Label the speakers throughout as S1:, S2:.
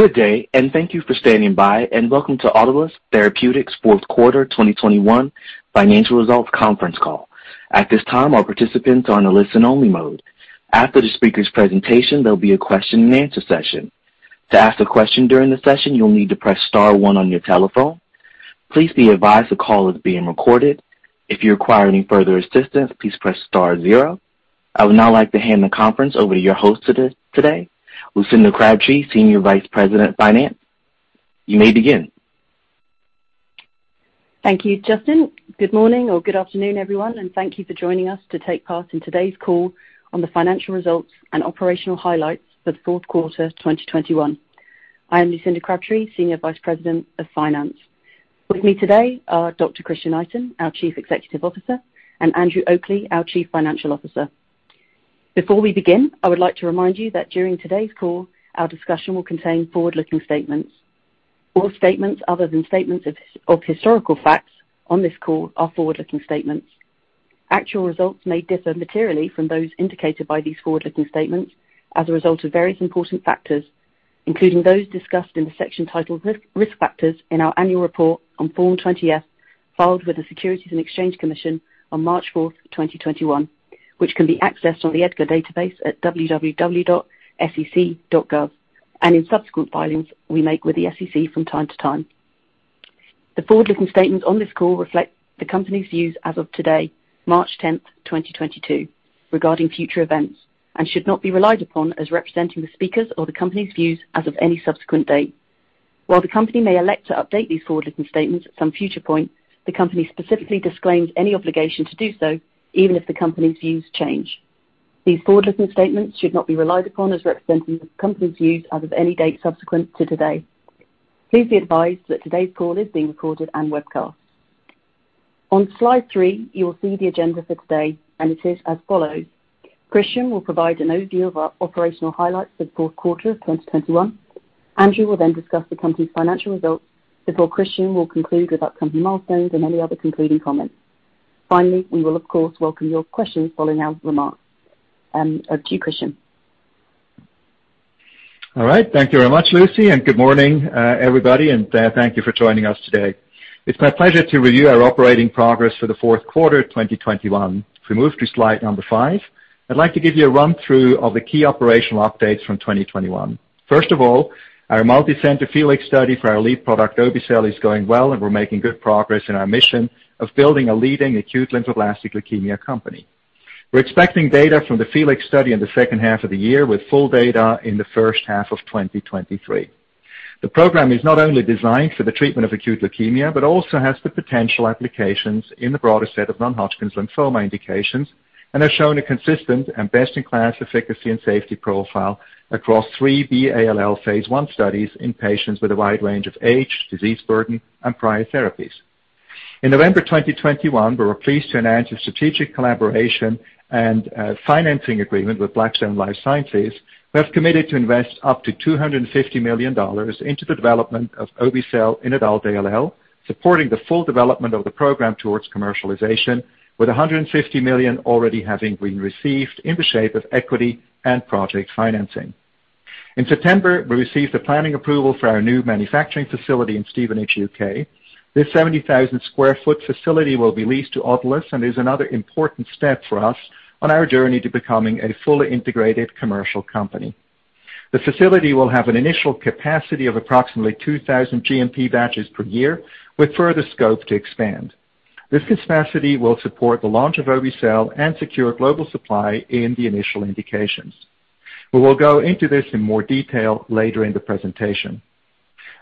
S1: Good day, and thank you for standing by, and Welcome to Autolus Therapeutics Fourth Quarter 2021 Financial Results Conference Call. At this time, all participants are on a listen-only mode. After the speaker's presentation, there'll be a question and answer session. To ask a question during the session, you'll need to press star one on your telephone. Please be advised the call is being recorded. If you require any further assistance, please press star zero. I would now like to hand the conference over to your host today, Lucinda Crabtree, Senior Vice President of Finance. You may begin.
S2: Thank you, Justin. Good morning or good afternoon, everyone, and thank you for joining us to take part in today's call on the financial results and operational highlights for the fourth quarter 2021. I am Lucinda Crabtree, Senior Vice President of Finance. With me today are Dr. Christian Itin, our Chief Executive Officer, and Andrew Oakley, our Chief Financial Officer. Before we begin, I would like to remind you that during today's call, our discussion will contain forward-looking statements. All statements other than statements of historical facts on this call are forward-looking statements. Actual results may differ materially from those indicated by these forward-looking statements as a result of various important factors, including those discussed in the section titled Risk Factors in our annual report on Form 20-F, filed with the Securities and Exchange Commission on March 4, 2021, which can be accessed on the EDGAR database at www.sec.gov, and in subsequent filings we make with the SEC from time to time. The forward-looking statements on this call reflect the company's views as of today, March 10, 2022, regarding future events, and should not be relied upon as representing the speakers or the company's views as of any subsequent date. While the company may elect to update these forward-looking statements at some future point, the company specifically disclaims any obligation to do so, even if the company's views change. These forward-looking statements should not be relied upon as representing the company's views as of any date subsequent to today. Please be advised that today's call is being recorded and webcast. On slide 3, you will see the agenda for today, and it is as follows. Christian will provide an overview of our operational highlights for the fourth quarter of 2021. Andrew will then discuss the company's financial results before Christian will conclude with upcoming milestones and any other concluding comments. Finally, we will of course welcome your questions following our remarks. To you, Christian.
S3: All right. Thank you very much, Lucy, and good morning, everybody, and thank you for joining us today. It's my pleasure to review our operating progress for the fourth quarter of 2021. If we move to slide 5, I'd like to give you a run-through of the key operational updates from 2021. First of all, our multi-center FELIX study for our lead product, obe-cel, is going well, and we're making good progress in our mission of building a leading acute lymphoblastic leukemia company. We're expecting data from the FELIX study in the second half of the year with full data in the first half of 2023. The program is not only designed for the treatment of acute leukemia, but also has the potential applications in the broader set of non-Hodgkin's lymphoma indications and has shown a consistent and best-in-class efficacy and safety profile across three B-ALL phase I studies in patients with a wide range of age, disease burden, and prior therapies. In November 2021, we were pleased to announce a strategic collaboration and financing agreement with Blackstone Life Sciences, who have committed to invest up to $250 million into the development of obe-cel in adult ALL, supporting the full development of the program towards commercialization with $150 million already having been received in the shape of equity and project financing. In September, we received the planning approval for our new manufacturing facility in Stevenage, U.K. This 70,000 sq ft facility will be leased to Autolus and is another important step for us on our journey to becoming a fully integrated commercial company. The facility will have an initial capacity of approximately 2,000 GMP batches per year with further scope to expand. This capacity will support the launch of obe-cel and secure global supply in the initial indications. We will go into this in more detail later in the presentation.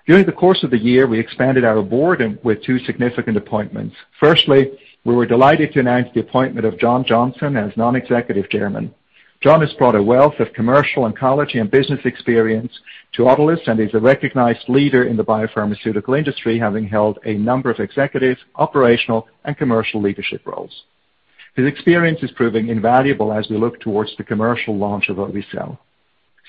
S3: During the course of the year, we expanded our board with two significant appointments. Firstly, we were delighted to announce the appointment of John Johnson as Non-Executive Chairman. John has brought a wealth of commercial oncology and business experience to Autolus and is a recognized leader in the biopharmaceutical industry, having held a number of executive, operational, and commercial leadership roles. His experience is proving invaluable as we look towards the commercial launch of obe-cel.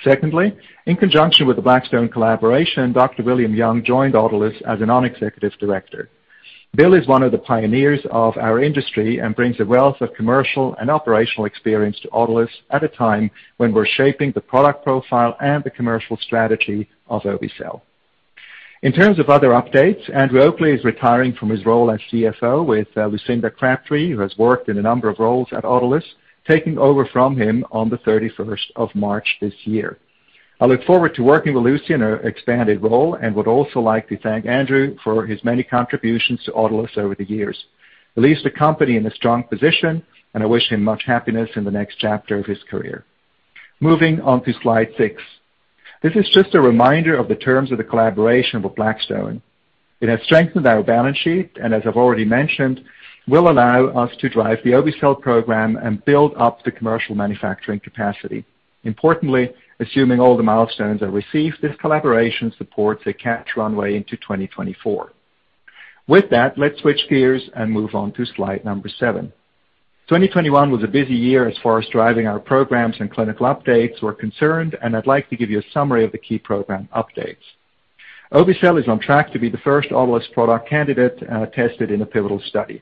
S3: Secondly, in conjunction with the Blackstone collaboration, Dr. William Young joined Autolus as a non-executive director. Bill is one of the pioneers of our industry and brings a wealth of commercial and operational experience to Autolus at a time when we're shaping the product profile and the commercial strategy of obe-cel. In terms of other updates, Andrew Oakley is retiring from his role as CFO with Lucinda Crabtree, who has worked in a number of roles at Autolus, taking over from him on the thirty-first of March this year. I look forward to working with Lucy in her expanded role and would also like to thank Andrew for his many contributions to Autolus over the years. He leaves the company in a strong position, and I wish him much happiness in the next chapter of his career. Moving on to slide 6. This is just a reminder of the terms of the collaboration with Blackstone. It has strengthened our balance sheet and as I've already mentioned, will allow us to drive the obe-cel program and build up the commercial manufacturing capacity. Importantly, assuming all the milestones are received, this collaboration supports a cash runway into 2024. With that, let's switch gears and move on to slide 7. 2021 was a busy year as far as driving our programs and clinical updates were concerned, and I'd like to give you a summary of the key program updates. Obe-cel is on track to be the first Autolus product candidate tested in a pivotal study.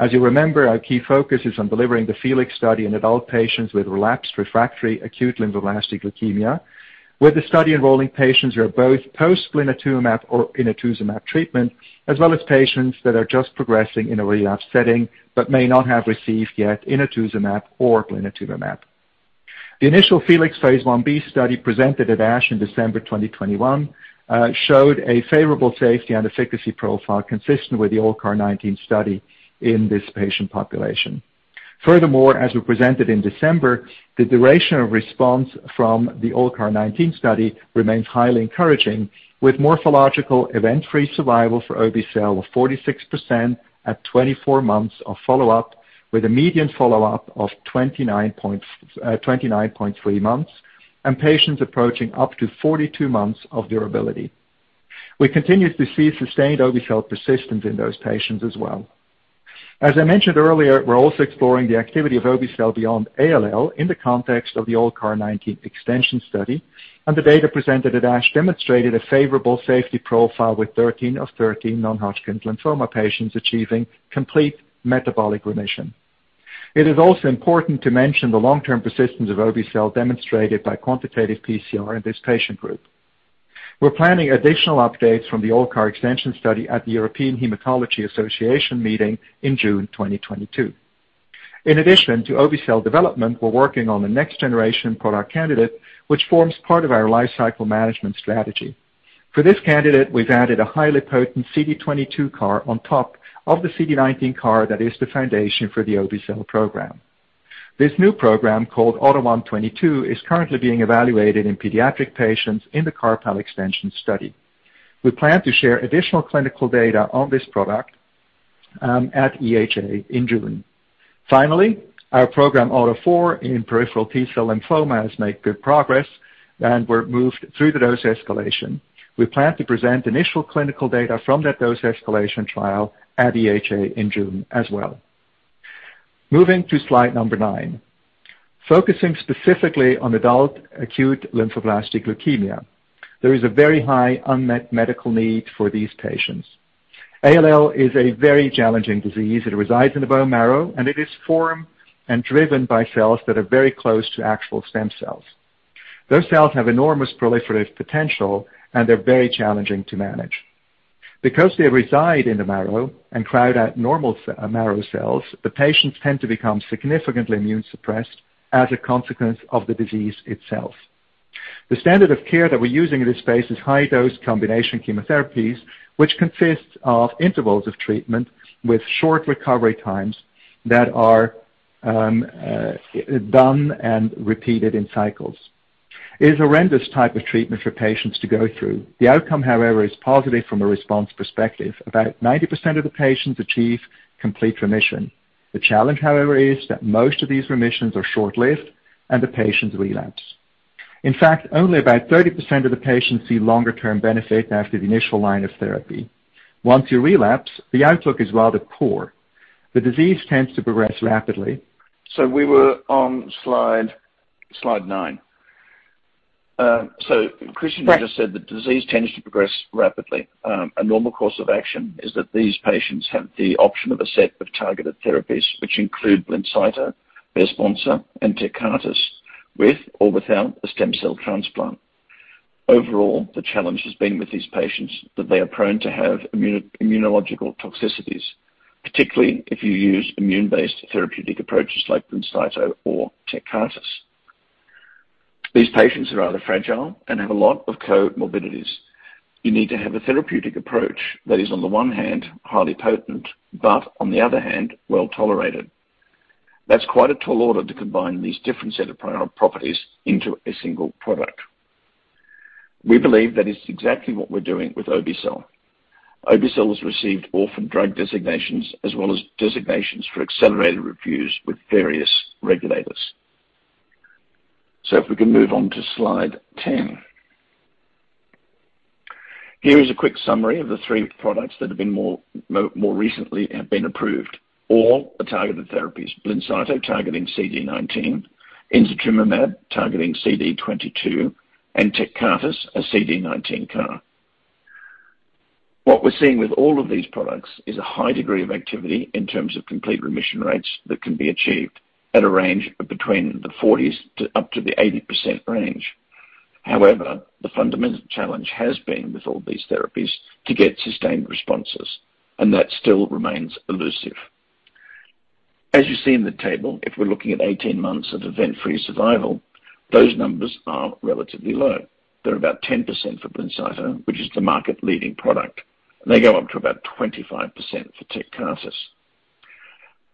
S3: As you remember, our key focus is on delivering the FELIX study in adult patients with relapsed refractory acute lymphoblastic leukemia, with the study enrolling patients who are both post blinatumomab or inotuzumab treatment, as well as patients that are just progressing in a relapse setting but may not have received yet inotuzumab or blinatumomab. The initial FELIX phase Ib study presented at ASH in December 2021 showed a favorable safety and efficacy profile consistent with the ALLCAR19 study in this patient population. Furthermore, as we presented in December, the duration of response from the ALLCAR19 study remains highly encouraging, with morphological event-free survival for obe-cel of 46% at 24 months of follow-up, with a median follow-up of 29.3 months, and patients approaching up to 42 months of durability. We continue to see sustained obe-cel persistence in those patients as well. As I mentioned earlier, we're also exploring the activity of obe-cel beyond ALL in the context of the ALLCAR19 extension study, and the data presented at ASH demonstrated a favorable safety profile, with 13 of 13 non-Hodgkin's lymphoma patients achieving complete metabolic remission. It is also important to mention the long-term persistence of obe-cel demonstrated by quantitative PCR in this patient group. We're planning additional updates from the ALLCAR extension study at the European Hematology Association meeting in June 2022. In addition to obe-cel development, we're working on the next generation product candidate, which forms part of our lifecycle management strategy. For this candidate, we've added a highly potent CD22 CAR on top of the CD19 CAR that is the foundation for the obe-cel program. This new program, called AUTO1/22, is currently being evaluated in pediatric patients in the CARPALL extension study. We plan to share additional clinical data on this product at EHA in June. Finally, our program AUTO4 in peripheral T-cell lymphomas make good progress, and we're moved through the dose escalation. We plan to present initial clinical data from that dose escalation trial at EHA in June as well. Moving to slide 9. Focusing specifically on adult acute lymphoblastic leukemia. There is a very high unmet medical need for these patients. ALL is a very challenging disease. It resides in the bone marrow, and it is formed and driven by cells that are very close to actual stem cells. Those cells have enormous proliferative potential, and they're very challenging to manage. Because they reside in the marrow and crowd out normal bone marrow cells, the patients tend to become significantly immunosuppressed as a consequence of the disease itself. The standard of care that we're using in this space is high-dose combination chemotherapies, which consists of intervals of treatment with short recovery times that are done and repeated in cycles. It is a horrendous type of treatment for patients to go through. The outcome, however, is positive from a response perspective. About 90% of the patients achieve complete remission. The challenge, however, is that most of these remissions are short-lived and the patients relapse. In fact, only about 30% of the patients see longer-term benefit after the initial line of therapy. Once you relapse, the outlook is rather poor. The disease tends to progress rapidly.
S4: We were on slide nine. Christian just said the disease tends to progress rapidly. A normal course of action is that these patients have the option of a set of targeted therapies, which include Blincyto, Besponsa, and Tecartus, with or without a stem cell transplant. Overall, the challenge has been with these patients that they are prone to have immunological toxicities, particularly if you use immune-based therapeutic approaches like Blincyto or Tecartus. These patients are rather fragile and have a lot of comorbidities. You need to have a therapeutic approach that is, on the one hand, highly potent, but on the other hand, well-tolerated. That's quite a tall order to combine these different set of prior properties into a single product. We believe that it's exactly what we're doing with obe-cel. Obe-cel has received orphan drug designations as well as designations for accelerated reviews with various regulators. If we can move on to slide 10. Here is a quick summary of the three products that have been more recently approved. All are targeted therapies, Blincyto, targeting CD19, inotuzumab, targeting CD22, and Tecartus, a CD19 CAR. What we're seeing with all of these products is a high degree of activity in terms of complete remission rates that can be achieved at a range between the 40s to up to the 80% range. However, the fundamental challenge has been with all these therapies to get sustained responses, and that still remains elusive. As you see in the table, if we're looking at 18 months of event-free survival, those numbers are relatively low. They're about 10% for Blincyto, which is the market leading product. They go up to about 25% for Tecartus.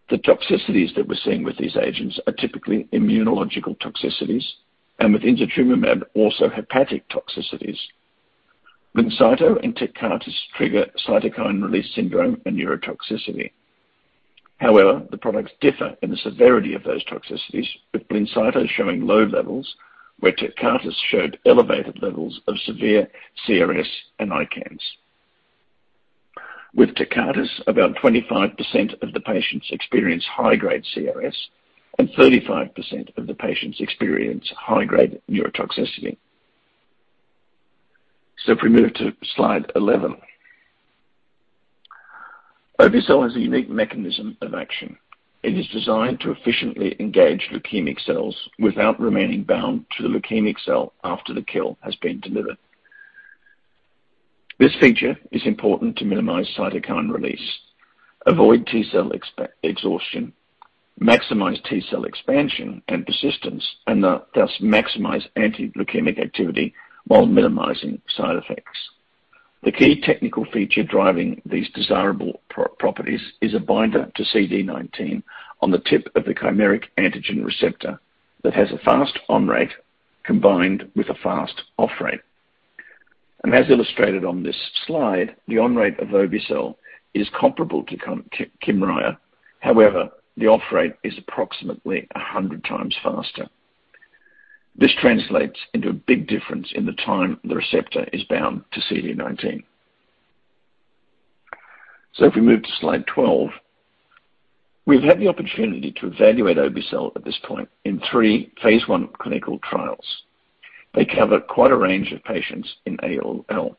S4: The toxicities that we're seeing with these agents are typically immunological toxicities, and with inotuzumab, also hepatic toxicities. Blincyto and Tecartus trigger cytokine release syndrome and neurotoxicity. However, the products differ in the severity of those toxicities, with Blincyto showing low levels where Tecartus showed elevated levels of severe CRS and ICANS. With Tecartus, about 25% of the patients experience high-grade CRS, and 35% of the patients experience high-grade neurotoxicity. If we move to slide 11. Obe-cel has a unique mechanism of action. It is designed to efficiently engage leukemic cells without remaining bound to the leukemic cell after the kill has been delivered. This feature is important to minimize cytokine release, avoid T cell exhaustion, maximize T cell expansion and persistence, and thus maximize anti-leukemic activity while minimizing side effects. The key technical feature driving these desirable properties is a binder to CD19 on the tip of the chimeric antigen receptor that has a fast on rate combined with a fast off rate. As illustrated on this slide, the on rate of obe-cel is comparable to Kymriah. However, the off rate is approximately 100x faster. This translates into a big difference in the time the receptor is bound to CD19. If we move to slide 12. We've had the opportunity to evaluate obe-cel at this point in three phase I clinical trials. They cover quite a range of patients in ALL.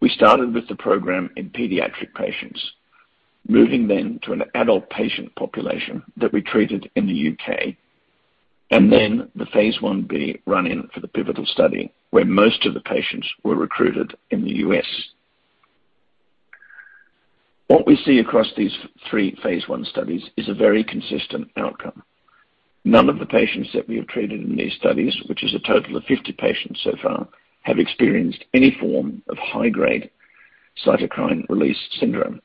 S4: We started with the program in pediatric patients, moving then to an adult patient population that we treated in the U.K., and then the phase I-B run-in for the pivotal study, where most of the patients were recruited in the U.S. What we see across these three phase I studies is a very consistent outcome. None of the patients that we have treated in these studies, which is a total of 50 patients so far, have experienced any form of high-grade cytokine release syndrome.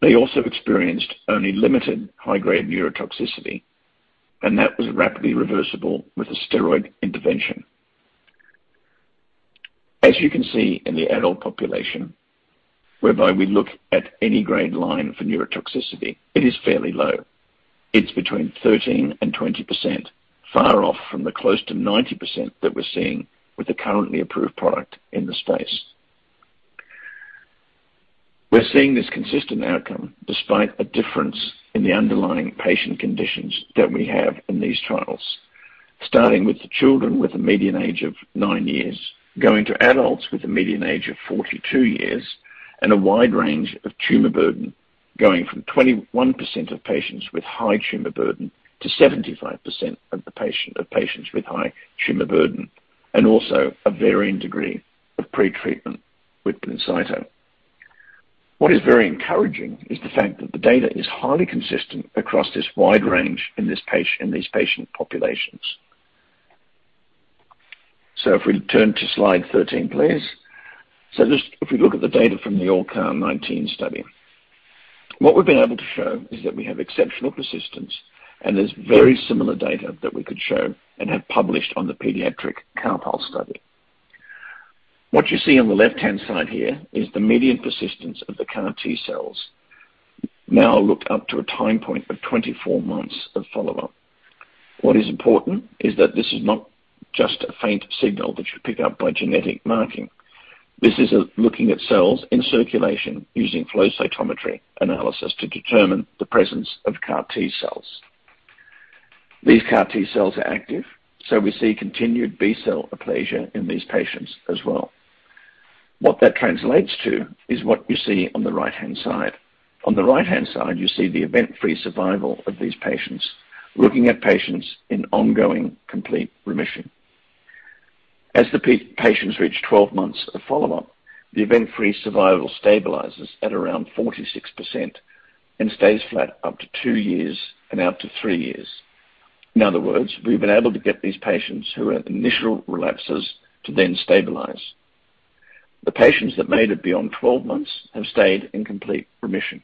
S4: They also experienced only limited high-grade neurotoxicity, and that was rapidly reversible with a steroid intervention. As you can see in the adult population, whereby we look at any grade line for neurotoxicity, it is fairly low. It's between 13%-20%, far off from the close to 90% that we're seeing with the currently approved product in the space. We're seeing this consistent outcome despite a difference in the underlying patient conditions that we have in these trials. Starting with the children with a median age of nine years, going to adults with a median age of 42 years, and a wide range of tumor burden, going from 21% of patients with high tumor burden to 75% of patients with high tumor burden, and also a varying degree of pretreatment with Blincyto. What is very encouraging is the fact that the data is highly consistent across this wide range in these patient populations. If we turn to slide 13, please. Just if we look at the data from the ALLCAR19 study, what we've been able to show is that we have exceptional persistence, and there's very similar data that we could show and have published on the pediatric CARPALL study. What you see on the left-hand side here is the median persistence of the CAR T cells now looked up to a time point of 24 months of follow-up. What is important is that this is not just a faint signal that you pick up by genetic marking. This is looking at cells in circulation using flow cytometry analysis to determine the presence of CAR T cells. These CAR T cells are active, so we see continued B-cell aplasia in these patients as well. What that translates to is what you see on the right-hand side. On the right-hand side, you see the event-free survival of these patients, looking at patients in ongoing complete remission. As the patients reach 12 months of follow-up, the event-free survival stabilizes at around 46% and stays flat up to two years and out to three years. In other words, we've been able to get these patients who have initial relapses to then stabilize. The patients that made it beyond 12 months have stayed in complete remission.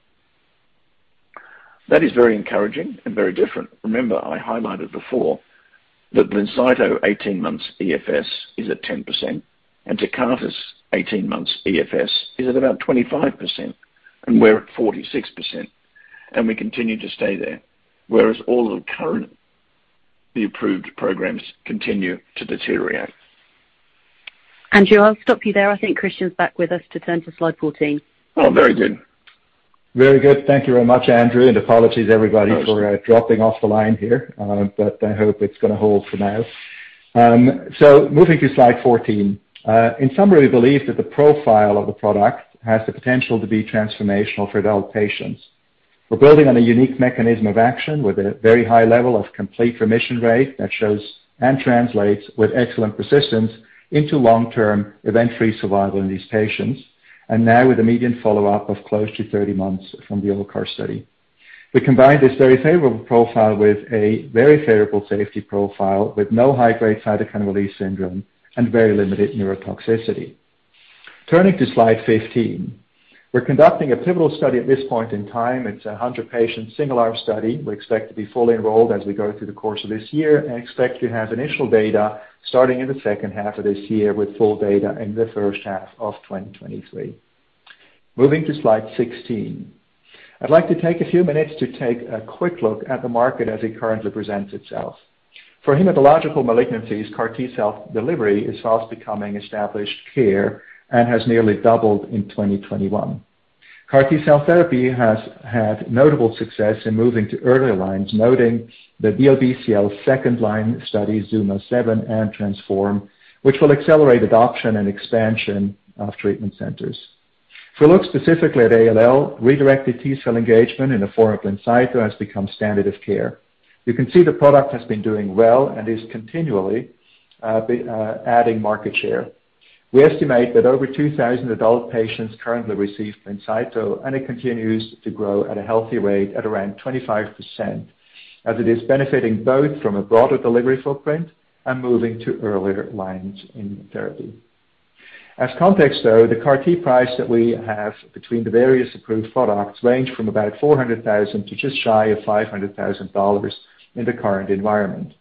S4: That is very encouraging and very different. Remember, I highlighted before that Blincyto 18 months EFS is at 10% and Tecartus 18 months EFS is at about 25%, and we're at 46%, and we continue to stay there, whereas all of current, the approved programs continue to deteriorate.
S2: Andrew, I'll stop you there. I think Christian's back with us to turn to slide 14.
S4: Oh, very good.
S3: Very good. Thank you very much, Andrew. Apologies, everybody, for dropping off the line here. But I hope it's gonna hold for now. Moving to slide 14. In summary, we believe that the profile of the product has the potential to be transformational for adult patients. We're building on a unique mechanism of action with a very high level of complete remission rate that shows and translates with excellent persistence into long-term event-free survival in these patients. Now with a median follow-up of close to 30 months from the ALLCAR study. We combine this very favorable profile with a very favorable safety profile with no high-grade cytokine release syndrome and very limited neurotoxicity. Turning to slide 15. We're conducting a pivotal study at this point in time. It's a 100-patient single-arm study. We expect to be fully enrolled as we go through the course of this year and expect to have initial data starting in the second half of this year with full data in the first half of 2023. Moving to slide 16. I'd like to take a few minutes to take a quick look at the market as it currently presents itself. For hematological malignancies, CAR T-cell delivery is fast becoming established care and has nearly doubled in 2021. CAR T-cell therapy has had notable success in moving to earlier lines, noting the LBCL second-line study, ZUMA-7 and TRANSFORM, which will accelerate adoption and expansion of treatment centers. If we look specifically at ALL, redirected T-cell engagement in the form of Blincyto has become standard of care. You can see the product has been doing well and is continually adding market share. We estimate that over 2,000 adult patients currently receive Blincyto, and it continues to grow at a healthy rate at around 25%, as it is benefiting both from a broader delivery footprint and moving to earlier lines in therapy. As context, though, the CAR T price that we have between the various approved products range from about $400,000 to just shy of $500,000 in the current environment.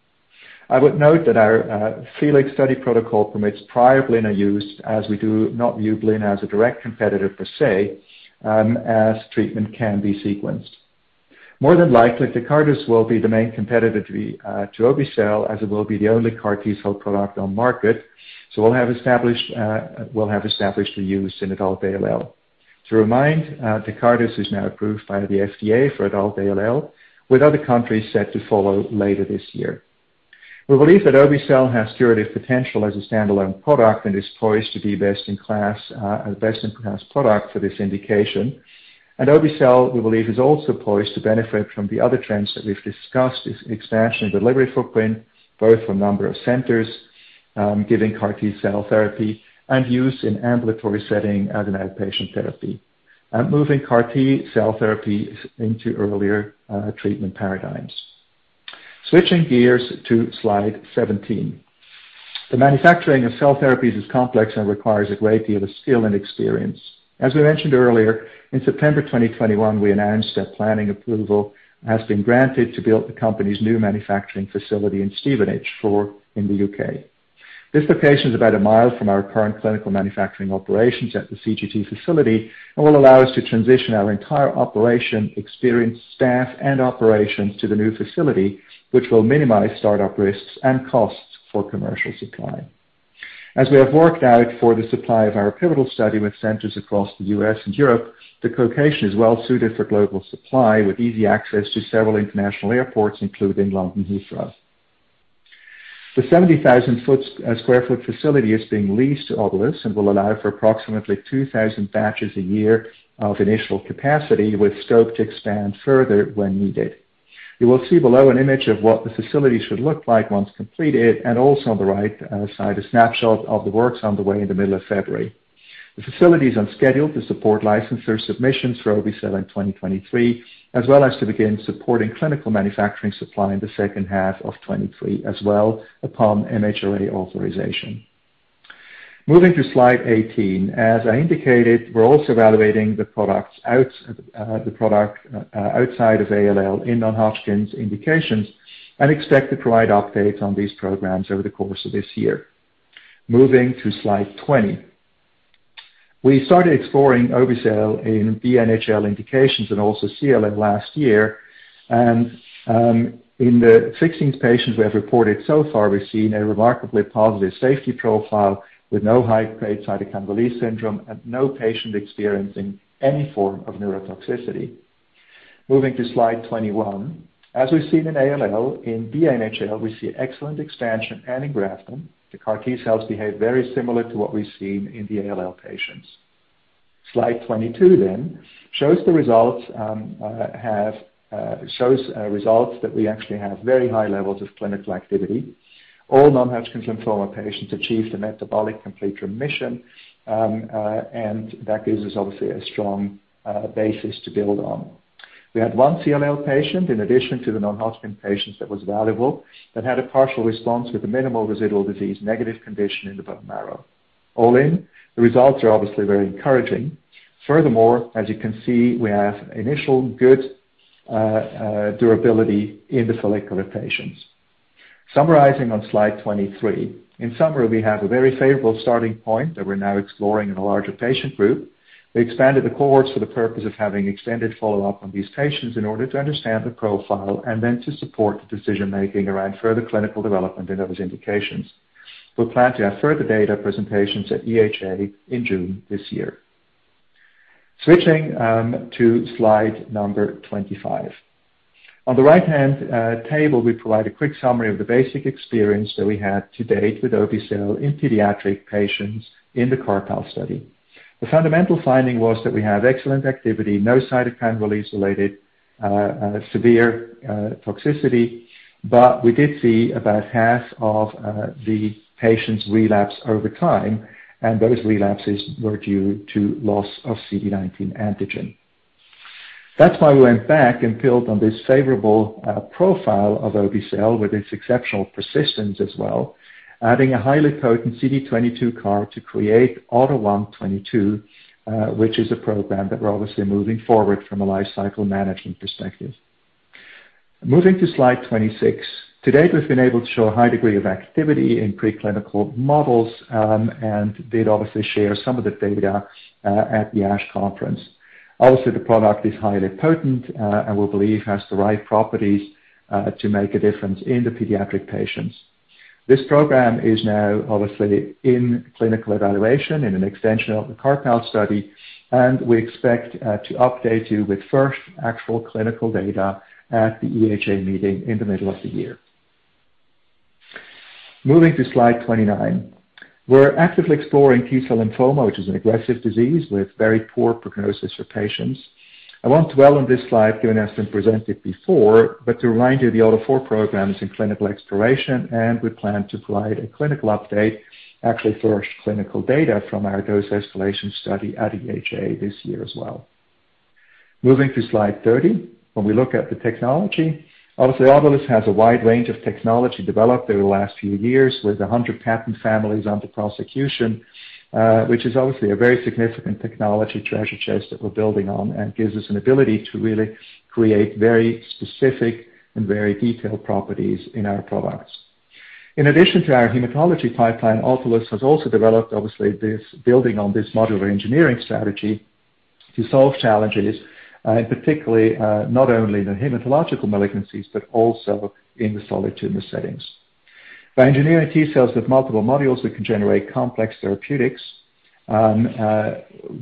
S3: I would note that our FELIX study protocol permits prior blinatumomab use as we do not view blina as a direct competitor per se, as treatment can be sequenced. More than likely, Tecartus will be the main competitor to obe-cel, as it will be the only CAR T-cell product on market. We'll have established the use in adult ALL. To remind, Tecartus is now approved by the FDA for adult ALL, with other countries set to follow later this year. We believe that obe-cel has curative potential as a standalone product and is poised to be best in class, best-in-class product for this indication. Obe-cel, we believe, is also poised to benefit from the other trends that we've discussed, is expansion of delivery footprint, both for number of centers, giving CAR T-cell therapy and use in ambulatory setting as an outpatient therapy, and moving CAR T-cell therapy into earlier, treatment paradigms. Switching gears to slide 17. The manufacturing of cell therapies is complex and requires a great deal of skill and experience. As we mentioned earlier, in September 2021, we announced that planning approval has been granted to build the company's new manufacturing facility in Stevenage in the U.K. This location is about a mile from our current clinical manufacturing operations at the CGT facility and will allow us to transition our entire operation, experience, staff, and operations to the new facility, which will minimize startup risks and costs for commercial supply. As we have worked out for the supply of our pivotal study with centers across the U.S. and Europe, the location is well suited for global supply with easy access to several international airports, including London Heathrow. The 70,000 sq ft facility is being leased to Autolus and will allow for approximately 2,000 batches a year of initial capacity with scope to expand further when needed. You will see below an image of what the facility should look like once completed, and also on the right, side, a snapshot of the works on the way in the middle of February. The facility is on schedule to support licensure submissions for obe-cel in 2023, as well as to begin supporting clinical manufacturing supply in the second half of 2023 as well upon MHRA authorization. Moving to slide 18. As I indicated, we're also evaluating the product outside of ALL in non-Hodgkin's indications and expect to provide updates on these programs over the course of this year. Moving to slide 20. We started exploring obe-cel in BNHL indications and also CNS last year. In the 16 patients we have reported so far, we've seen a remarkably positive safety profile with no high-grade cytokine release syndrome and no patient experiencing any form of neurotoxicity. Moving to slide 21. As we've seen in ALL, in BNHL, we see excellent expansion and engraftment. The CAR T-cells behave very similar to what we've seen in the ALL patients. Slide 22 shows the results that we actually have very high levels of clinical activity. All non-Hodgkin's lymphoma patients achieved a metabolic complete remission, and that gives us obviously a strong basis to build on. We had one CLL patient in addition to the non-Hodgkin patients that was valuable that had a partial response with a minimal residual disease negative condition in the bone marrow. All in, the results are obviously very encouraging. Furthermore, as you can see, we have initial good durability in the follicular patients. Summarizing on slide 23. In summary, we have a very favorable starting point that we're now exploring in a larger patient group. We expanded the cohorts for the purpose of having extended follow-up on these patients in order to understand the profile and then to support the decision-making around further clinical development in those indications. We plan to have further data presentations at EHA in June this year. Switching to slide number 25. On the right-hand table, we provide a quick summary of the basic experience that we had to date with obe-cel in pediatric patients in the CARPALL study. The fundamental finding was that we have excellent activity, no cytokine release-related severe toxicity, but we did see about half of the patients relapse over time, and those relapses were due to loss of CD19 antigen. That's why we went back and built on this favorable profile of obe-cel with its exceptional persistence as well, adding a highly potent CD22 CAR to create AUTO1/22, which is a program that we're obviously moving forward from a lifecycle management perspective. Moving to slide 26. To date, we've been able to show a high degree of activity in preclinical models, and did obviously share some of the data at the ASH conference. Obviously, the product is highly potent, and we believe has the right properties to make a difference in the pediatric patients. This program is now obviously in clinical evaluation in an extension of the CARPALL study, and we expect to update you with first actual clinical data at the EHA meeting in the middle of the year. Moving to slide 29. We're actively exploring T-cell lymphoma, which is an aggressive disease with very poor prognosis for patients. I won't dwell on this slide, given it's been presented before, but to remind you, the AUTO4 program is in clinical exploration, and we plan to provide a clinical update, actually, first clinical data from our dose escalation study at EHA this year as well. Moving to slide 30. When we look at the technology, obviously Autolus has a wide range of technology developed over the last few years with 100 patent families under prosecution, which is obviously a very significant technology treasure chest that we're building on and gives us an ability to really create very specific and very detailed properties in our products. In addition to our hematology pipeline, Autolus has also developed, obviously, this building on this modular engineering strategy to solve challenges, particularly, not only in the hematological malignancies, but also in the solid tumor settings. By engineering T-cells with multiple modules, we can generate complex therapeutics,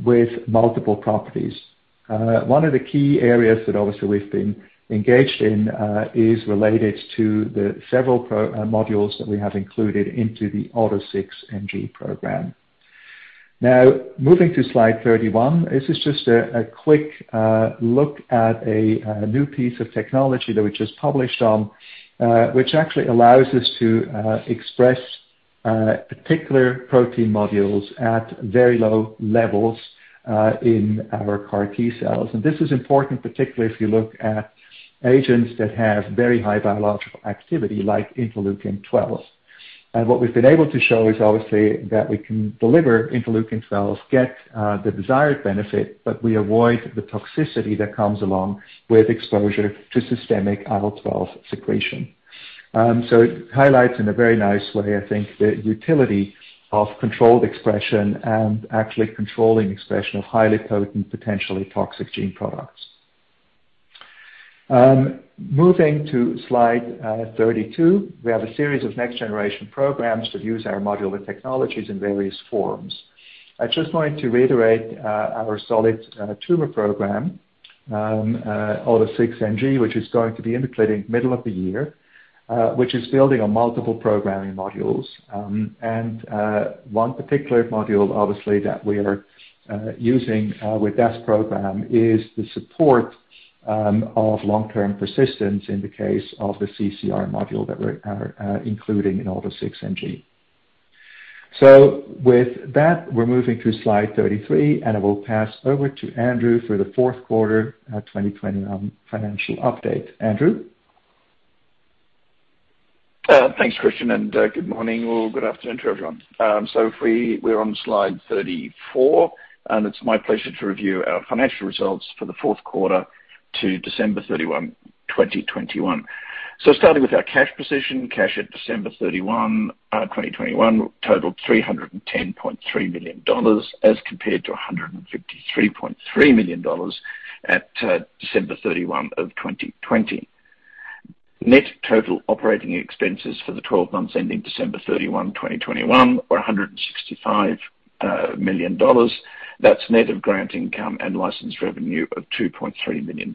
S3: with multiple properties. One of the key areas that obviously we've been engaged in is related to the several modules that we have included into the AUTO6NG program. Now moving to slide 31. This is just a quick look at a new piece of technology that we just published on, which actually allows us to express particular protein modules at very low levels in our CAR T-cells. This is important, particularly if you look at agents that have very high biological activity like interleukin 12. What we've been able to show is obviously that we can deliver interleukin 12, get the desired benefit, but we avoid the toxicity that comes along with exposure to systemic IL-12 secretion. It highlights in a very nice way, I think, the utility of controlled expression and actually controlling expression of highly potent, potentially toxic gene products. Moving to slide 32. We have a series of next-generation programs that use our modular technologies in various forms. I just wanted to reiterate our solid tumor program AUTO-006 NG, which is going to be in the clinic middle of the year, which is building on multiple programming modules. One particular module obviously that we are using with that program is the support of long-term persistence in the case of the CCR module that we're including in AUTO6NG. With that, we're moving to slide 33, and I will pass over to Andrew for the fourth quarter 2021 financial update. Andrew.
S4: Thanks, Christian, and good morning or good afternoon to everyone. We're on slide 34, and it's my pleasure to review our financial results for the fourth quarter to December 31, 2021. Starting with our cash position. Cash at December 31, 2021 totaled $310.3 million as compared to $153.3 million at December 31, 2020. Net total operating expenses for the 12 months ending December 31, 2021 were $165 million. That's net of grant income and license revenue of $2.3 million.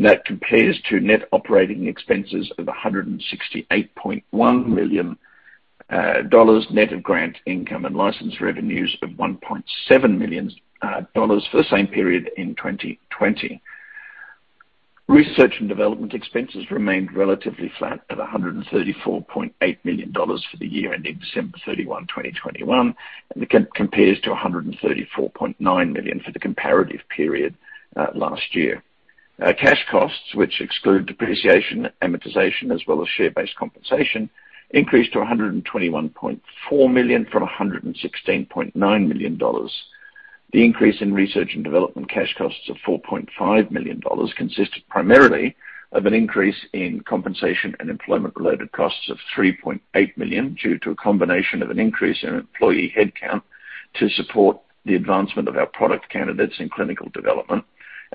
S4: That compares to net operating expenses of $168.1 million dollars net of grant income and license revenues of $1.7 million dollars for the same period in 2020. Research and development expenses remained relatively flat at $134.8 million for the year ending December 31, 2021, and it compares to $134.9 million for the comparative period last year. Cash costs, which exclude depreciation, amortization, as well as share-based compensation, increased to $121.4 million from $116.9 million. The increase in research and development cash costs of $4.5 million consisted primarily of an increase in compensation and employment-related costs of $3.8 million due to a combination of an increase in employee headcount to support the advancement of our product candidates in clinical development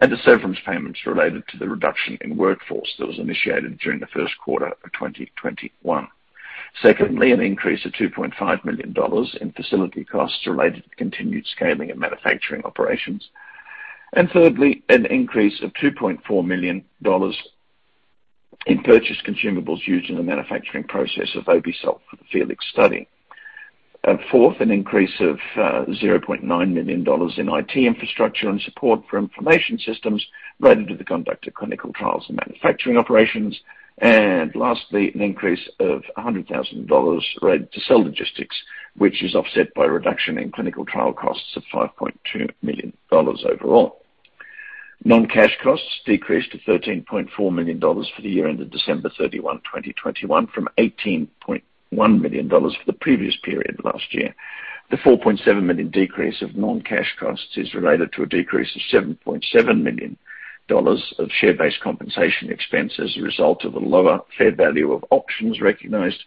S4: and the severance payments related to the reduction in workforce that was initiated during the first quarter of 2021. Secondly, an increase of $2.5 million in facility costs related to continued scaling of manufacturing operations. Thirdly, an increase of $2.4 million in purchase consumables used in the manufacturing process of obe-cel for the FELIX study. Fourth, an increase of $0.9 million in IT infrastructure and support for information systems related to the conduct of clinical trials and manufacturing operations. Lastly, an increase of $100,000 related to cell logistics, which is offset by a reduction in clinical trial costs of $5.2 million overall. Non-cash costs decreased to $13.4 million for the year ended December 31, 2021 from $18.1 million for the previous period last year. The $4.7 million decrease of non-cash costs is related to a decrease of $7.7 million of share-based compensation expense as a result of a lower fair value of options recognized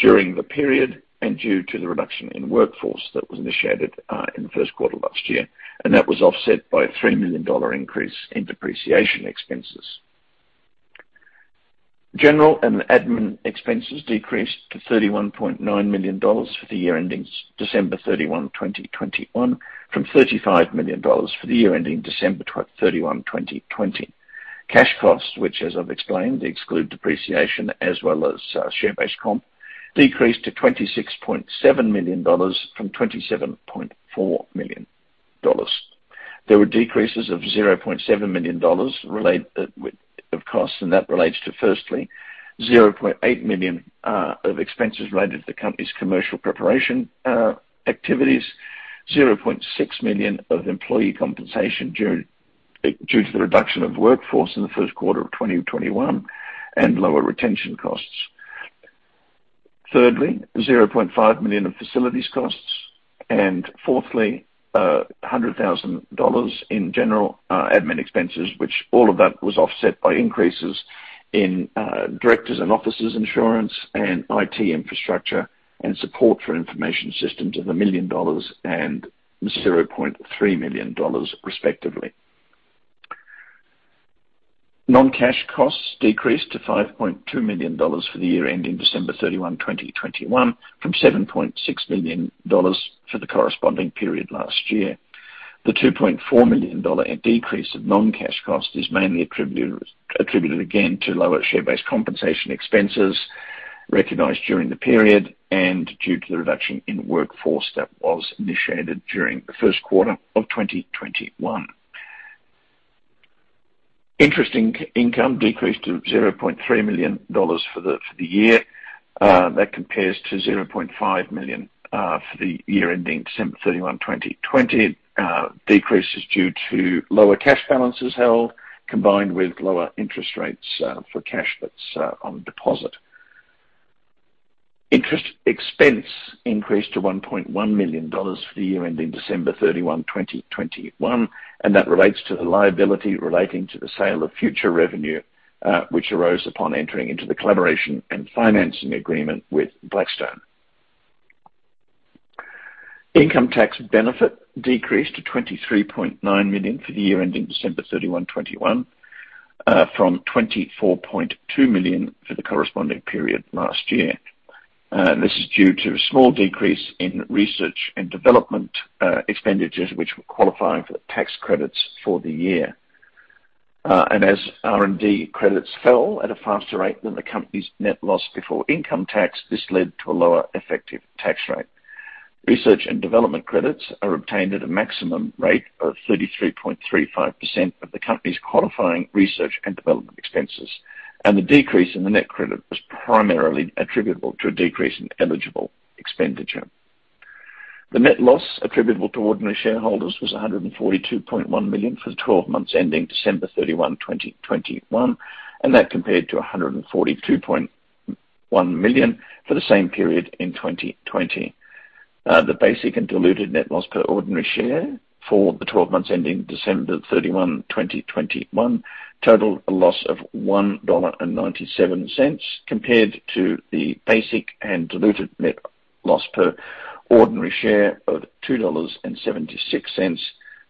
S4: during the period and due to the reduction in workforce that was initiated in the first quarter of last year. That was offset by a $3 million increase in depreciation expenses. General and admin expenses decreased to $31.9 million for the year ending December 31, 2021, from $35 million for the year ending December 31, 2020. Cash costs, which as I've explained exclude depreciation as well as share-based comp, decreased to $26.7 million from $27.4 million. There were decreases of $0.7 million, and that relates to, firstly, $0.8 million of expenses related to the company's commercial preparation activities, $0.6 million of employee compensation due to the reduction of workforce in the first quarter of 2021, and lower retention costs. Thirdly, $0.5 million of facilities costs. Fourthly, $100,000 in general admin expenses, which all of that was offset by increases in directors and officers insurance and IT infrastructure and support for information systems of $1 million and $0.3 million, respectively. Non-cash costs decreased to $5.2 million for the year ending December 31, 2021, from $7.6 million for the corresponding period last year. The $2.4 million decrease of non-cash cost is mainly attributed again to lower share-based compensation expenses recognized during the period and due to the reduction in workforce that was initiated during the first quarter of 2021. Interest income decreased to $0.3 million for the year. That compares to $0.5 million for the year ending December 31, 2020. Decreases due to lower cash balances held, combined with lower interest rates, for cash that's on deposit. Interest expense increased to $1.1 million for the year ending December 31, 2021, and that relates to the liability relating to the sale of future revenue, which arose upon entering into the collaboration and financing agreement with Blackstone. Income tax benefit decreased to $23.9 million for the year ending December 31, 2021, from $24.2 million for the corresponding period last year. This is due to a small decrease in research and development expenditures which were qualifying for the tax credits for the year. As R&D credits fell at a faster rate than the company's net loss before income tax, this led to a lower effective tax rate. Research and development credits are obtained at a maximum rate of 33.35% of the company's qualifying research and development expenses. The decrease in the net credit was primarily attributable to a decrease in eligible expenditure. The net loss attributable to ordinary shareholders was $142.1 million for the twelve months ending December 31, 2021, and that compared to $142.1 million for the same period in 2020. The basic and diluted net loss per ordinary share for the twelve months ending December 31, 2021, totaled a loss of $1.97 compared to the basic and diluted net loss per ordinary share of $2.76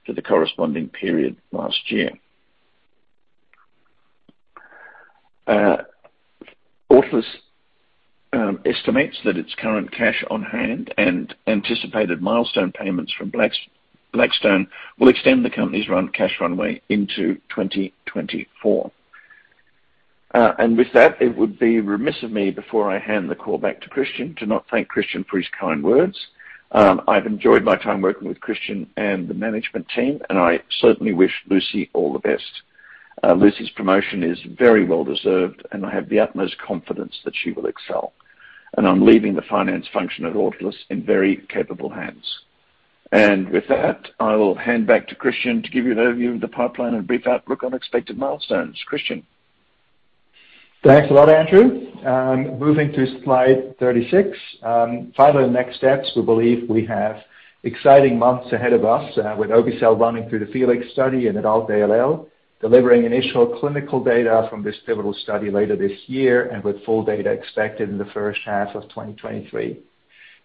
S4: for the corresponding period last year. Autolus estimates that its current cash on hand and anticipated milestone payments from Blackstone will extend the company's cash runway into 2024. With that, it would be remiss of me before I hand the call back to Christian to not thank Christian for his kind words. I've enjoyed my time working with Christian and the management team, and I certainly wish Lucy all the best. Lucy's promotion is very well deserved, and I have the utmost confidence that she will excel. I'm leaving the finance function at Autolus in very capable hands. With that, I will hand back to Christian to give you an overview of the pipeline and brief outlook on expected milestones. Christian.
S3: Thanks a lot, Andrew. Moving to slide 36. Finally, next steps. We believe we have exciting months ahead of us with obe-cel running through the FELIX study in adult ALL, delivering initial clinical data from this pivotal study later this year and with full data expected in the first half of 2023.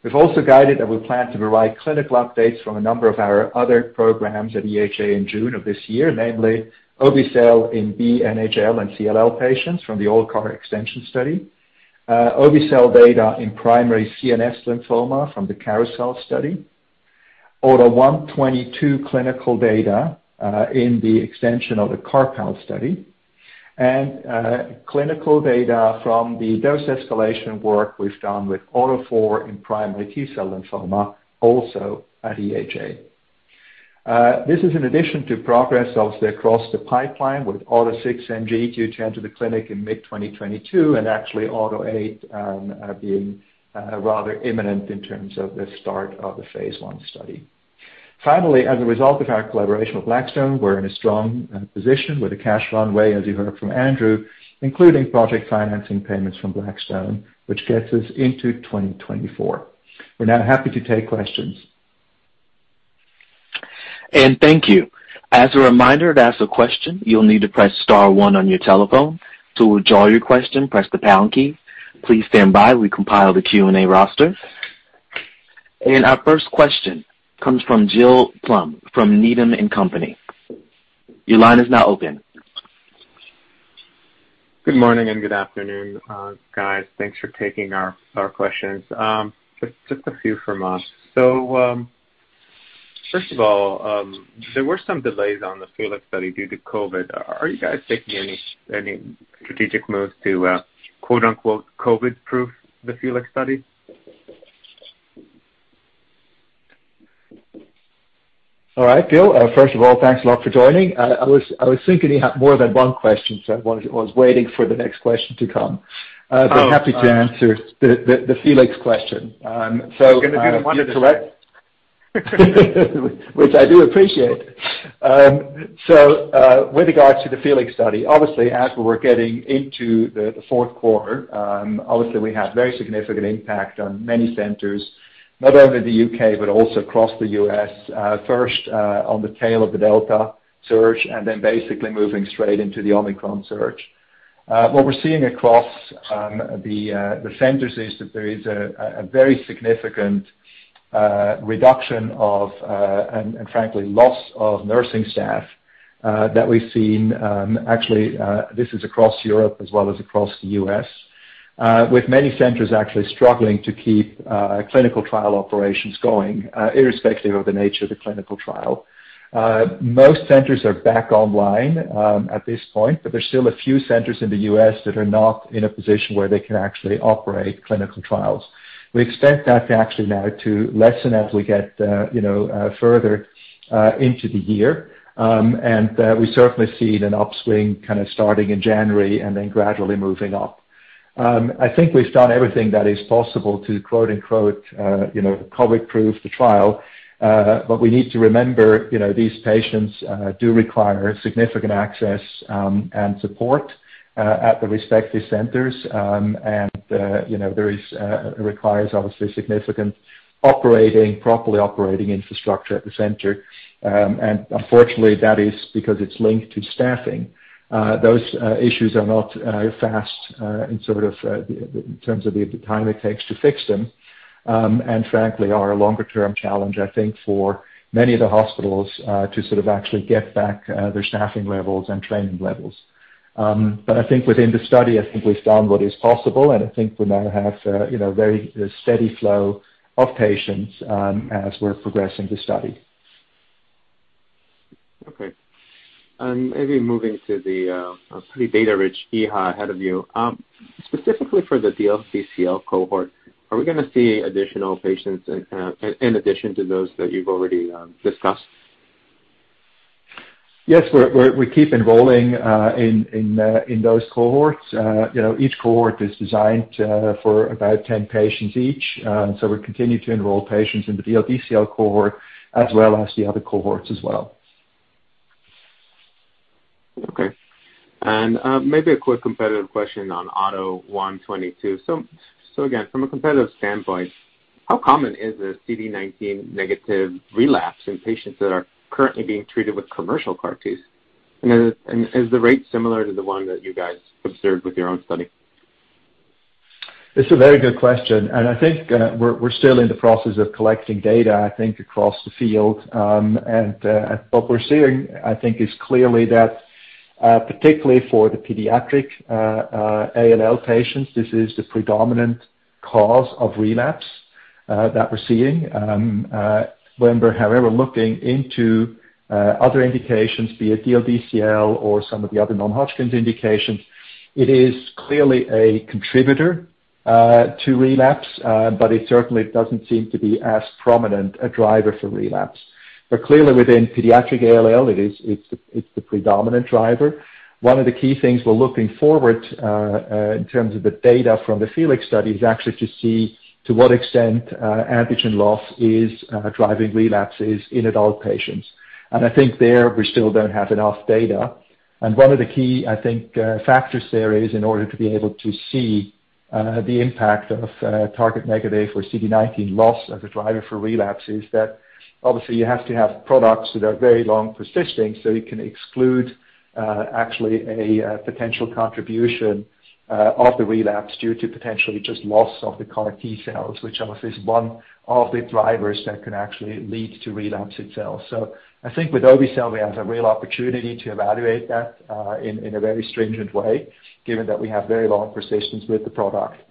S3: We've also guided that we plan to provide clinical updates from a number of our other programs at EHA in June of this year, namely obe-cel in BNHL and CLL patients from the ALLCAR extension study. Obe-cel data in primary CNS lymphoma from the CAROUSEL study. AUTO1/22 clinical data in the extension of the CARPALL study. Clinical data from the dose escalation work we've done with AUTO4 in primary T-cell lymphoma, also at EHA. This is in addition to progress obviously across the pipeline with AUTO6 and GD2 to enter the clinic in mid-2022 and actually AUTO8 being rather imminent in terms of the start of the phase I study. Finally, as a result of our collaboration with Blackstone, we're in a strong position with a cash runway, as you heard from Andrew, including project financing payments from Blackstone, which gets us into 2024. We're now happy to take questions.
S1: Thank you. As a reminder, to ask a question, you'll need to press star one on your telephone. To withdraw your question, press the pound key. Please stand by while we compile the Q&A roster. Our first question comes from Gil Blum from Needham & Company. Your line is now open.
S5: Good morning and good afternoon, guys. Thanks for taking our questions. Just a few from us. First of all, there were some delays on the FELIX study due to COVID. Are you guys taking any strategic moves to quote-unquote COVID-proof the FELIX study?
S3: All right, Gil, first of all, thanks a lot for joining. I was thinking you had more than one question, so I was waiting for the next question to come. Happy to answer the FELIX question.
S5: Was gonna do them one at a time.
S3: Which I do appreciate. With regards to the FELIX study, obviously as we were getting into the fourth quarter, obviously we had very significant impact on many centers, not only in the U.K., but also across the U.S., first on the tail of the Delta surge, and then basically moving straight into the Omicron surge. What we're seeing across the centers is that there is a very significant reduction of, and frankly, loss of nursing staff that we've seen. This is across Europe as well as across the U.S., with many centers actually struggling to keep clinical trial operations going, irrespective of the nature of the clinical trial. Most centers are back online at this point, but there's still a few centers in the U.S. that are not in a position where they can actually operate clinical trials. We expect that to actually lessen as we get you know further into the year. We certainly see an upswing kind of starting in January and then gradually moving up. I think we've done everything that is possible to quote-unquote you know COVID-proof the trial. But we need to remember, you know, these patients do require significant access and support at the respective centers. It requires obviously significant properly operating infrastructure at the center. Unfortunately, that is because it's linked to staffing. Those issues are not fast in terms of the time it takes to fix them, and frankly are a longer-term challenge, I think, for many of the hospitals to sort of actually get back their staffing levels and training levels. I think within the study, I think we've done what is possible, and I think we now have, you know, very steady flow of patients as we're progressing the study.
S5: Okay. Maybe moving to the pretty data-rich Q ahead of you. Specifically for the DLBCL cohort, are we gonna see additional patients in addition to those that you've already discussed?
S3: Yes. We keep enrolling in those cohorts. You know, each cohort is designed for about 10 patients each. We continue to enroll patients in the DLBCL cohort as well as the other cohorts as well.
S5: Maybe a quick competitive question on AUTO1/22. Again, from a competitive standpoint, how common is a CD19 negative relapse in patients that are currently being treated with commercial CAR Ts? Is the rate similar to the one that you guys observed with your own study?
S3: It's a very good question, and I think we're still in the process of collecting data, I think, across the field. What we're seeing, I think, is clearly that particularly for the pediatric ALL patients, this is the predominant cause of relapse that we're seeing. When we're, however, looking into other indications, be it DLBCL or some of the other non-Hodgkin's indications, it is clearly a contributor to relapse, but it certainly doesn't seem to be as prominent a driver for relapse. Clearly within pediatric ALL, it is the predominant driver. One of the key things we're looking forward in terms of the data from the FELIX study is actually to see to what extent antigen loss is driving relapses in adult patients. I think there we still don't have enough data. One of the key, I think, factors there is in order to be able to see the impact of target negative for CD19 loss as a driver for relapse is that obviously you have to have products that are very long persisting so you can exclude actually a potential contribution of the relapse due to potentially just loss of the CAR T cells, which obviously is one of the drivers that can actually lead to relapse itself. I think with obe-cel we have a real opportunity to evaluate that in a very stringent way given that we have very long persistence with the product.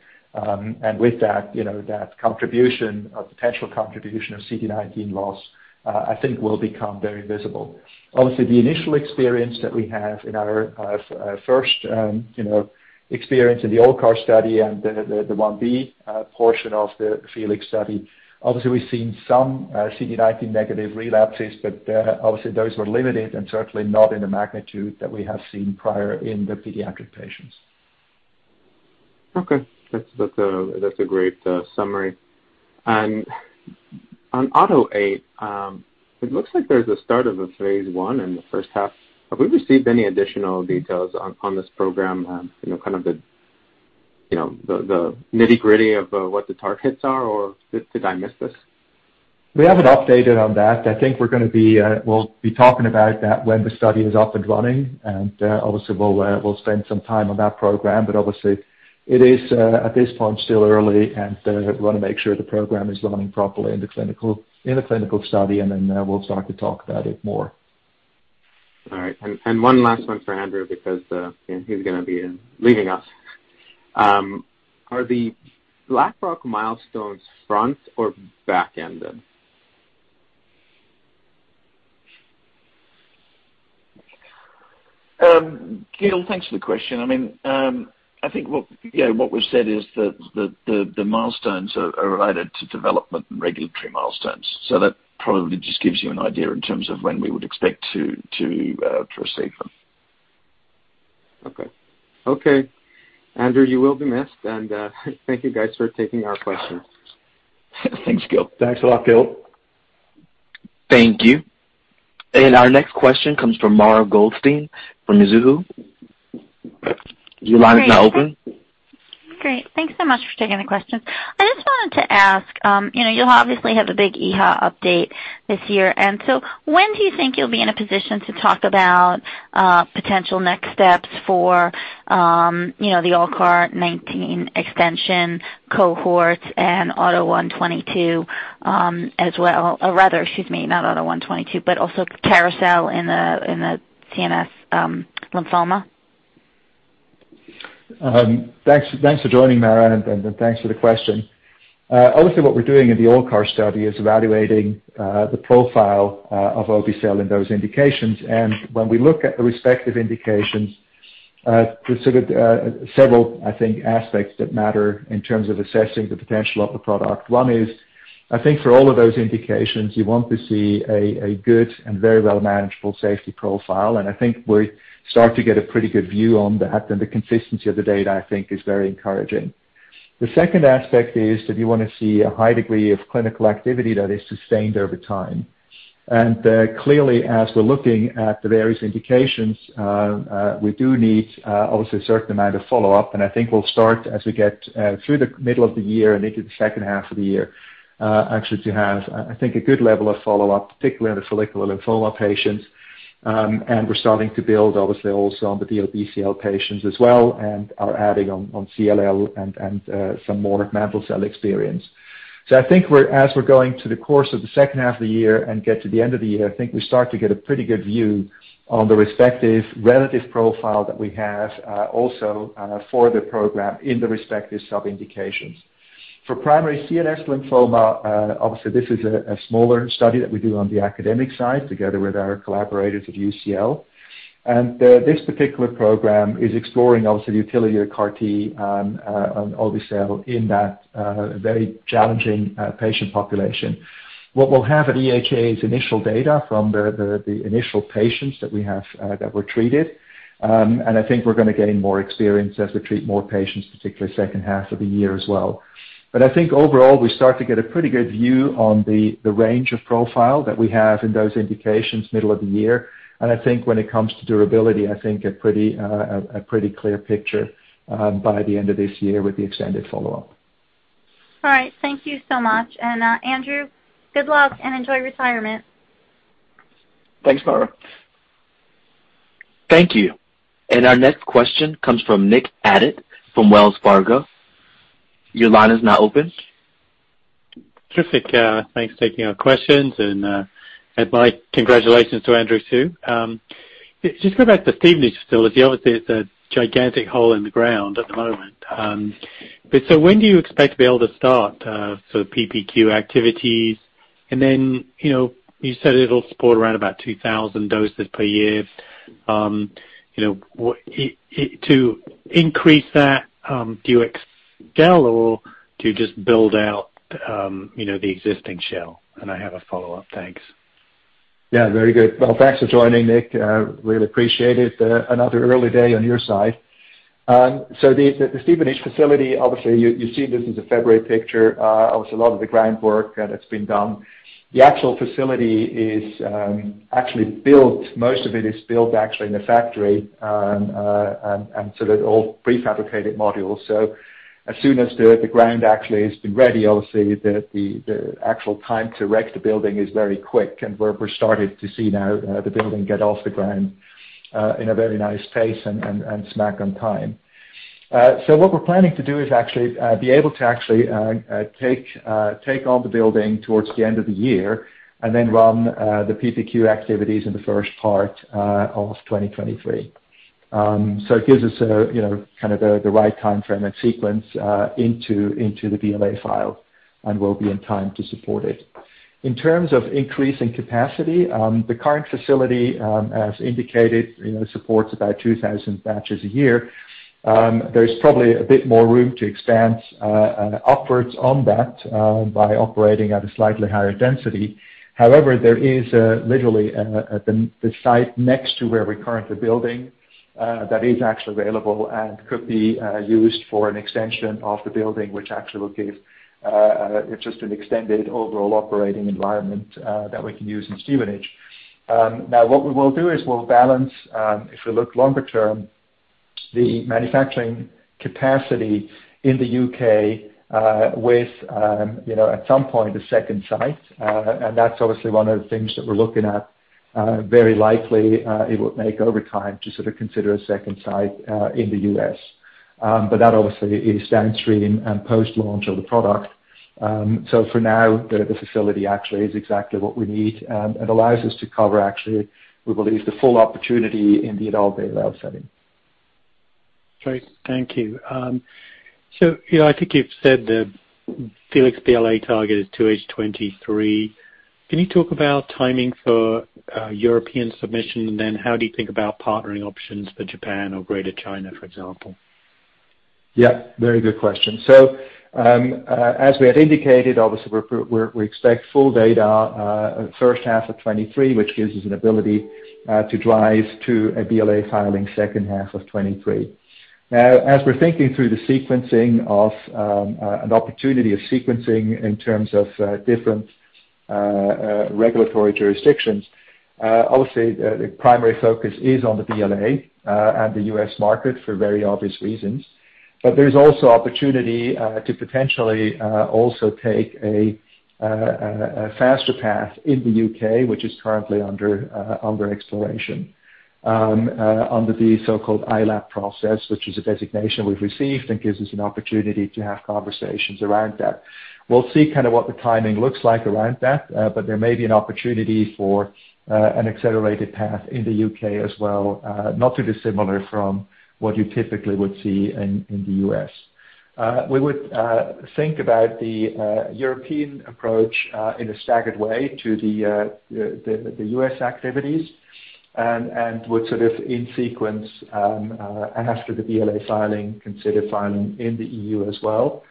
S3: With that, you know, that contribution or potential contribution of CD19 loss I think will become very visible. Obviously, the initial experience that we have in our first experience in the ALLCAR study and the 1B portion of the FELIX study, obviously we've seen some CD19 negative relapses, but obviously those were limited and certainly not in the magnitude that we have seen prior in the pediatric patients.
S5: Okay. That's a great summary. On AUTO8, it looks like there's a start of a phase I in the first half. Have we received any additional details on this program? You know, kind of the nitty-gritty of what the targets are, or did I miss this?
S3: We haven't updated on that. I think we're gonna be, we'll be talking about that when the study is up and running, and obviously we'll spend some time on that program, but obviously it is at this point still early and we wanna make sure the program is running properly in the clinical study, and then we'll start to talk about it more.
S5: All right. One last one for Andrew because you know, he's gonna be leaving us. Are the Blackstone milestones front or back-ended?
S4: Gil, thanks for the question. I mean, I think what, you know, what we've said is that the milestones are related to development and regulatory milestones, so that probably just gives you an idea in terms of when we would expect to receive them.
S5: Okay. Andrew, you will be missed and, thank you guys for taking our questions.
S4: Thanks, Gil.
S3: Thanks a lot, Gil.
S1: Thank you. Our next question comes from Mara Goldstein from Mizuho. Your line is now open.
S6: Great. Thanks so much for taking the questions. I just wanted to ask, you know, you'll obviously have a big EHA update this year, and so when do you think you'll be in a position to talk about potential next steps for, you know, the ALLCAR19 extension cohorts and AUTO1/22 as well? Or rather, excuse me, not AUTO1/22, but also CAROUSEL in the CNS lymphoma?
S3: Thanks for joining, Mara, and thanks for the question. Obviously what we're doing in the ALLCAR19 study is evaluating the profile of obe-cel in those indications. When we look at the respective indications, there's sort of several, I think, aspects that matter in terms of assessing the potential of the product. One is, I think for all of those indications, you want to see a good and very well manageable safety profile, and I think we start to get a pretty good view on that, and the consistency of the data, I think, is very encouraging. The second aspect is that you wanna see a high degree of clinical activity that is sustained over time. Clearly, as we're looking at the various indications, we do need obviously a certain amount of follow-up, and I think we'll start as we get through the middle of the year and into the second half of the year, actually to have, I think, a good level of follow-up, particularly in the follicular lymphoma patients. We're starting to build obviously also on the obe-cel patients as well and are adding on CLL and some more mantle cell experience. I think as we're going through the course of the second half of the year and get to the end of the year, we start to get a pretty good view on the respective relative profile that we have, also, for the program in the respective sub-indications. For primary CNS lymphoma, obviously this is a smaller study that we do on the academic side together with our collaborators at UCL. This particular program is exploring obviously the utility of CAR-T and obe-cel in that very challenging patient population. What we'll have at EHA is initial data from the initial patients that we have that were treated. I think we're gonna gain more experience as we treat more patients, particularly second half of the year as well. I think overall, we start to get a pretty good view on the range of profile that we have in those indications middle of the year. I think when it comes to durability, I think a pretty clear picture by the end of this year with the extended follow-up.
S6: All right. Thank you so much. Andrew, good luck and enjoy retirement.
S4: Thanks, Mara.
S1: Thank you. Our next question comes from Nick Adit from Wells Fargo. Your line is now open.
S7: Terrific. Thanks for taking our questions and my congratulations to Andrew too. Just go back to the Stevenage facility. Obviously, it's a gigantic hole in the ground at the moment. When do you expect to be able to start sort of PPQ activities and then, you know, you said it'll support around 2000 doses per year. To increase that, do you expand or do you just build out, you know, the existing shell? I have a follow-up. Thanks.
S3: Yeah, very good. Well, thanks for joining, Nick. Really appreciate it. Another early day on your side. So the Stevenage facility, obviously you see this is a February picture. Obviously a lot of the groundwork that's been done. The actual facility is actually built, most of it is built actually in a factory, and so they're all prefabricated modules. So as soon as the ground actually has been ready, obviously the actual time to erect the building is very quick and we're starting to see now the building get off the ground in a very nice pace and smack on time. What we're planning to do is actually be able to take on the building towards the end of the year and then run the PPQ activities in the first part of 2023. It gives us a, you know, kind of the right timeframe and sequence into the BLA file, and we'll be in time to support it. In terms of increasing capacity, the current facility, as indicated, you know, supports about 2,000 batches a year. There's probably a bit more room to expand upwards on that by operating at a slightly higher density. However, there is literally at the site next to where we're currently building that is actually available and could be used for an extension of the building, which actually will give just an extended overall operating environment that we can use in Stevenage. Now what we will do is we'll balance, if we look longer term, the manufacturing capacity in the U.K. with you know, at some point, a second site, and that's obviously one of the things that we're looking at. Very likely it would make over time to sort of consider a second site in the U.S. That obviously is downstream and post-launch of the product. For now, the facility actually is exactly what we need and allows us to cover actually, we believe the full opportunity in the adult de novo setting.
S7: Great. Thank you. You know, I think you've said the FELIX BLA target is 2H 2023. Can you talk about timing for European submission? And then how do you think about partnering options for Japan or Greater China, for example?
S3: Yeah, very good question. As we had indicated, obviously we expect full data first half of 2023, which gives us an ability to drive to a BLA filing second half of 2023. Now, as we're thinking through the sequencing of an opportunity of sequencing in terms of different regulatory jurisdictions, obviously the primary focus is on the BLA and the U.S. market for very obvious reasons. But there's also opportunity to potentially also take a faster path in the U.K., which is currently under exploration under the so-called ILAP process, which is a designation we've received and gives us an opportunity to have conversations around that. We'll see kinda what the timing looks like around that, but there may be an opportunity for an accelerated path in the U.K. as well, not too dissimilar from what you typically would see in the U.S. We would think about the European approach in a staggered way to the U.S. activities and would sort of in sequence after the BLA filing, consider filing in the E.U. as well.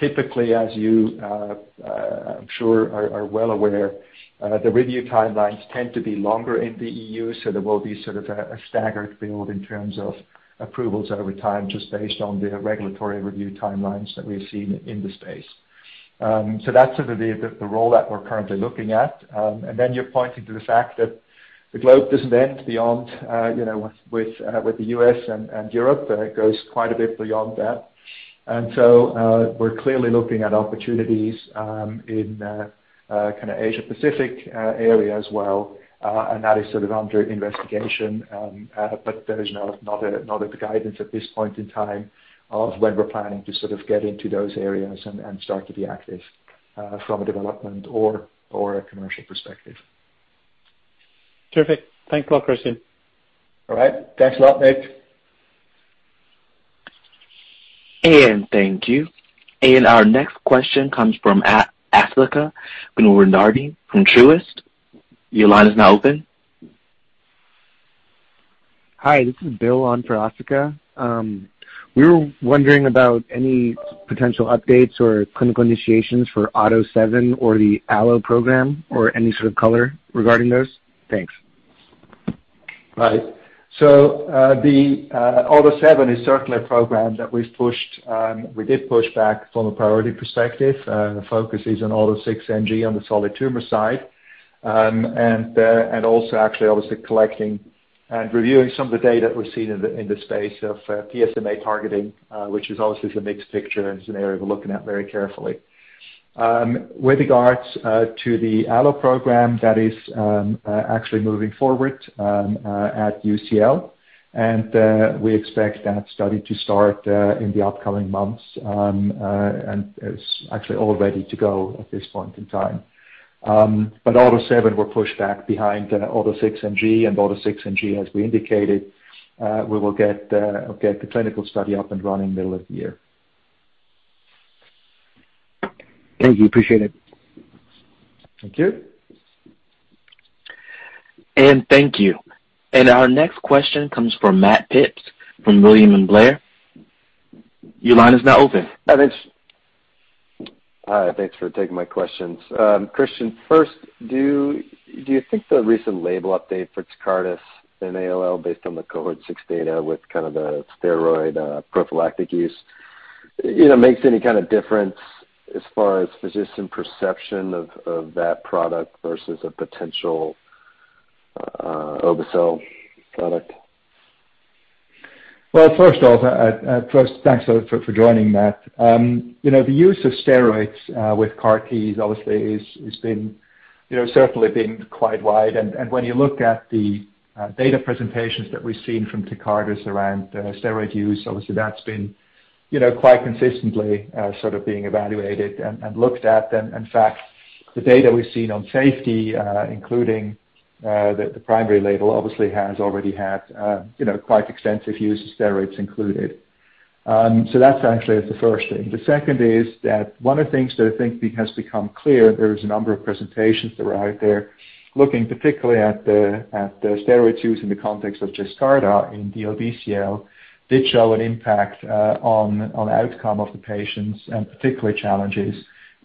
S3: Typically, as you, I'm sure, are well aware, the review timelines tend to be longer in the E.U., so there will be sort of a staggered build in terms of approvals over time, just based on the regulatory review timelines that we've seen in the space. That's sort of the role that we're currently looking at. You're pointing to the fact that the globe doesn't end beyond, you know, with the U.S. and Europe. It goes quite a bit beyond that. We're clearly looking at opportunities in kind of Asia Pacific area as well. That is sort of under investigation. There is no guidance at this point in time of when we're planning to sort of get into those areas and start to be active from a development or a commercial perspective.
S7: Terrific. Thanks a lot, Christian.
S3: All right. Thanks a lot, Nick.
S1: Thank you. Our next question comes from Asthika Goonewardene from Truist. Your line is now open.
S8: Hi, this is Bill on for Asthika. We were wondering about any potential updates or clinical initiations for AUTO7 or the Allo program or any sort of color regarding those. Thanks.
S3: The AUTO7 is certainly a program that we've pushed; we did push back from a priority perspective. The focus is on AUTO6NG on the solid tumor side, and also actually obviously collecting and reviewing some of the data we've seen in this space of PSMA targeting, which is obviously a mixed picture and is an area we're looking at very carefully. With regards to the Allo program, that is actually moving forward at UCL. We expect that study to start in the upcoming months, and it's actually all ready to go at this point in time. AUTO7 will push back behind AUTO6NG. AUTO6NG, as we indicated, we will get the clinical study up and running middle of the year.
S8: Thank you. Appreciate it.
S3: Thank you.
S1: Thank you. Our next question comes from Matt Phipps from William Blair. Your line is now open.
S9: Hi, thanks for taking my questions. Christian, first, do you think the recent label update for Tecartus in ALL based on the cohort six data with kind of the steroid prophylactic use makes any kind of difference as far as physician perception of that product versus a potential obe-cel product?
S3: Well, first off, thanks for joining, Matt. You know, the use of steroids with CAR Ts obviously has been certainly quite wide. When you look at the data presentations that we've seen from Tecartus around steroid use, obviously that's been you know quite consistently sort of being evaluated and looked at. In fact, the data we've seen on safety including the primary label obviously has already had you know quite extensive use of steroids included. So that's actually the first thing. The second is that one of the things that I think has become clear. There is a number of presentations that were out there looking particularly at the steroid use in the context of Yescarta in DLBCL did show an impact on outcome of the patients and particularly challenges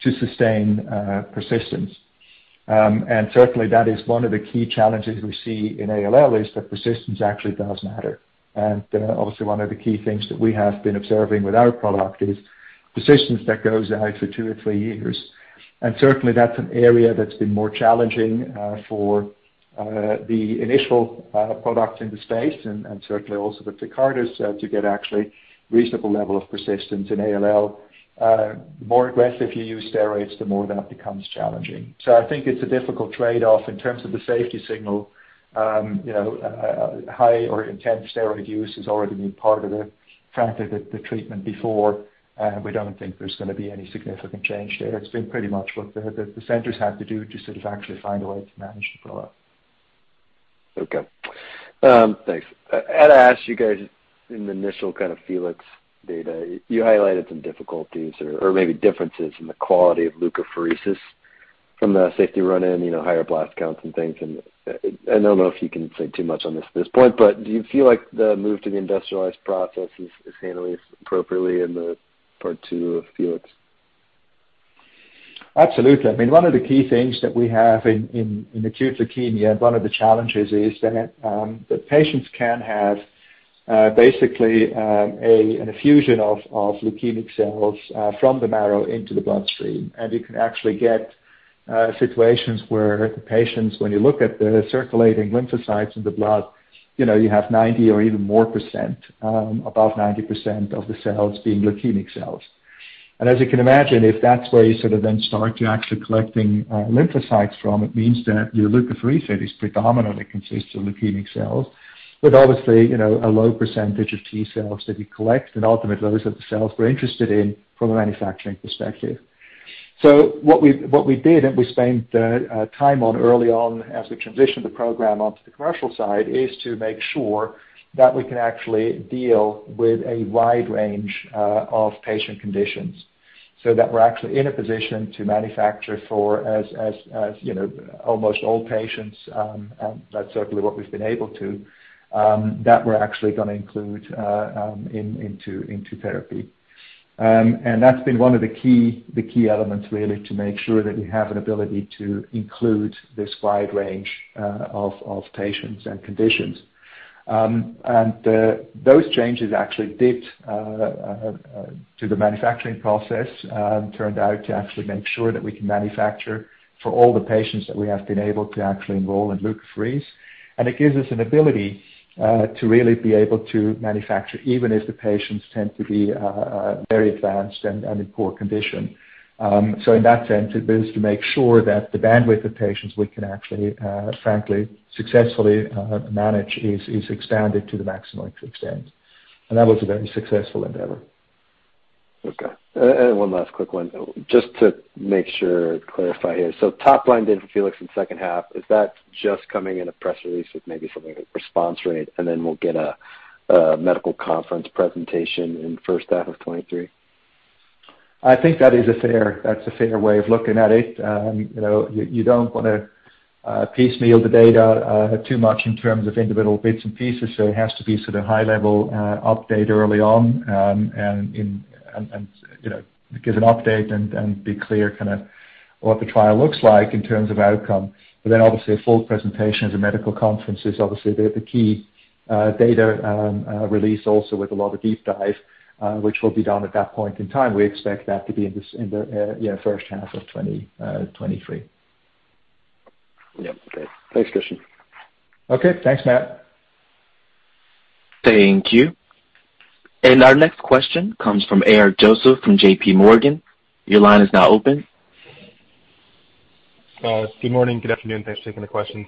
S3: to sustain persistence. Certainly that is one of the key challenges we see in ALL, is that persistence actually does matter. Obviously one of the key things that we have been observing with our product is persistence that goes out for two or three years. Certainly that's an area that's been more challenging for the initial products in the space and certainly also the Tecartus to get actually reasonable level of persistence in ALL. More aggressive you use steroids, the more that becomes challenging. I think it's a difficult trade-off in terms of the safety signal. High or intense steroid use has already been part of the frankly the treatment before, and we don't think there's gonna be any significant change there. It's been pretty much what the centers had to do to sort of actually find a way to manage the product.
S9: Okay. Thanks. I had to ask you guys in the initial kind of FELIX data, you highlighted some difficulties or maybe differences in the quality of leukapheresis from the safety run-in, you know, higher blast counts and things. I don't know if you can say too much on this at this point, but do you feel like the move to the industrialized process is handling this appropriately in the part two of FELIX?
S3: Absolutely. I mean, one of the key things that we have in acute leukemia and one of the challenges is that the patients can have basically an effusion of leukemic cells from the marrow into the bloodstream. You can actually get situations where the patients, when you look at the circulating lymphocytes in the blood, you know, you have 90% or even more, above 90% of the cells being leukemic cells. As you can imagine, if that's where you sort of then start to actually collecting lymphocytes from, it means that your leukapheresis predominantly consists of leukemic cells, with obviously, you know, a low percentage of T-cells that you collect, and ultimately those are the cells we're interested in from a manufacturing perspective. What we did, and we spent time on early on as we transitioned the program onto the commercial side, is to make sure that we can actually deal with a wide range of patient conditions so that we're actually in a position to manufacture for, as you know, almost all patients, and that's certainly what we're actually gonna include into therapy. That's been one of the key elements really to make sure that we have an ability to include this wide range of patients and conditions. Those changes to the manufacturing process turned out to actually make sure that we can manufacture for all the patients that we have been able to actually enroll in leukapheresis. It gives us an ability to really be able to manufacture even if the patients tend to be very advanced and in poor condition. In that sense, it is to make sure that the bandwidth of patients we can actually frankly successfully manage is expanded to the maximum extent. That was a very successful endeavor.
S9: Okay. One last quick one, just to make sure, clarify here. Top line data for FELIX in second half, is that just coming in a press release with maybe something like response rate, and then we'll get a medical conference presentation in first half of 2023?
S3: I think that is a fair way of looking at it. You know, you don't wanna piecemeal the data too much in terms of individual bits and pieces, so it has to be sort of high-level update early on, and you know, give an update and be clear kinda what the trial looks like in terms of outcome. Obviously a full presentation at the medical conference is obviously the key data release also with a lot of deep dive which will be done at that point in time. We expect that to be in the you know first half of 2023.
S9: Yeah. Okay. Thanks, Christian.
S3: Okay. Thanks, Matt.
S1: Thank you. Our next question comes from Eric Joseph from J.P. Morgan. Your line is now open.
S10: Good morning. Good afternoon. Thanks for taking the questions.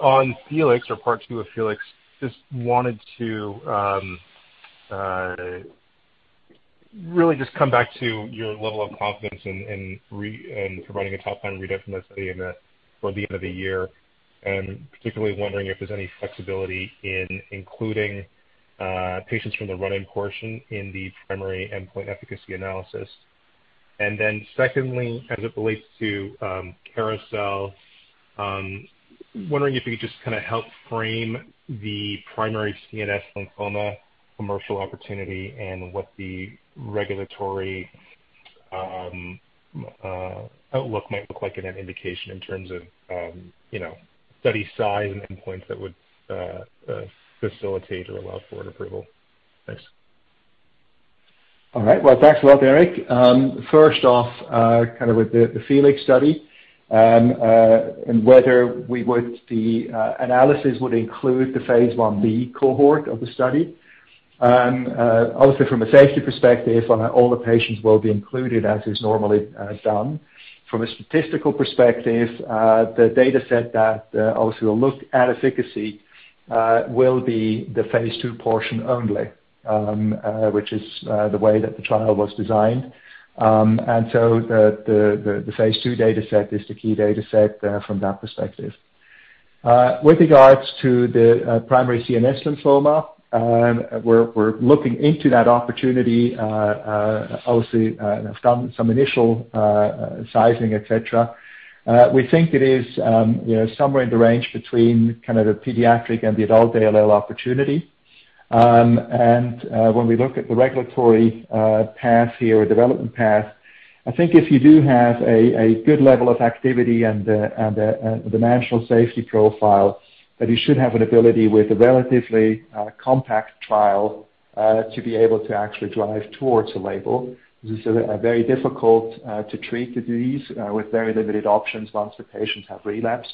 S10: On FELIX or part two of FELIX, just wanted to really just come back to your level of confidence in providing a top-line readout from the study in the for the end of the year, and particularly wondering if there's any flexibility in including patients from the run-in portion in the primary endpoint efficacy analysis. Then secondly, as it relates to CAROUSEL, wondering if you could just kinda help frame the primary CNS lymphoma commercial opportunity and what the regulatory outlook might look like in an indication in terms of you know study size and endpoints that would facilitate or allow for an approval. Thanks.
S3: All right. Well, thanks a lot, Eric. First off, kind of with the FELIX study, the analysis would include the phase I B cohort of the study. Obviously from a safety perspective, all the patients will be included as is normally done. From a statistical perspective, the dataset that obviously will look at efficacy will be the phase II portion only, which is the way that the trial was designed. The phase II dataset is the key dataset from that perspective. With regards to the primary CNS lymphoma, we're looking into that opportunity. Obviously, have done some initial sizing, et cetera. We think it is, you know, somewhere in the range between kind of the pediatric and the adult ALL opportunity. When we look at the regulatory path here or development path, I think if you do have a good level of activity and the acceptable safety profile, that you should have an ability with a relatively compact trial to be able to actually drive towards a label. This is a very difficult to treat disease with very limited options once the patients have relapsed.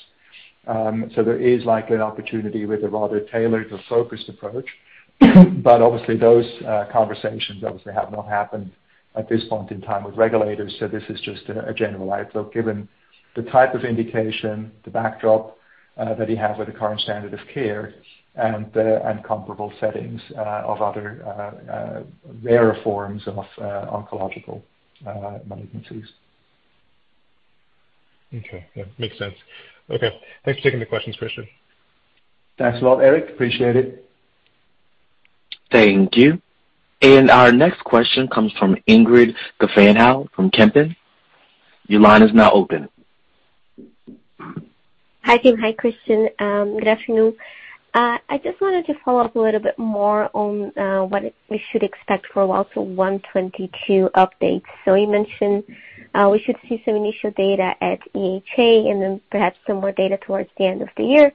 S3: There is likely an opportunity with a rather tailored or focused approach. Obviously those conversations obviously have not happened at this point in time with regulators, so this is just a general outlook given the type of indication, the backdrop that you have with the current standard of care and comparable settings of other rarer forms of oncological malignancies.
S10: Okay. Yeah. Makes sense. Okay. Thanks for taking the questions, Christian.
S3: Thanks a lot, Eric. Appreciate it.
S1: Thank you. Our next question comes from Ingrid Gevaert from Kempen. Your line is now open.
S11: Hi, team. Hi, Christian. Good afternoon. I just wanted to follow up a little bit more on what we should expect for AUTO1/22 updates. You mentioned we should see some initial data at EHA and then perhaps some more data towards the end of the year.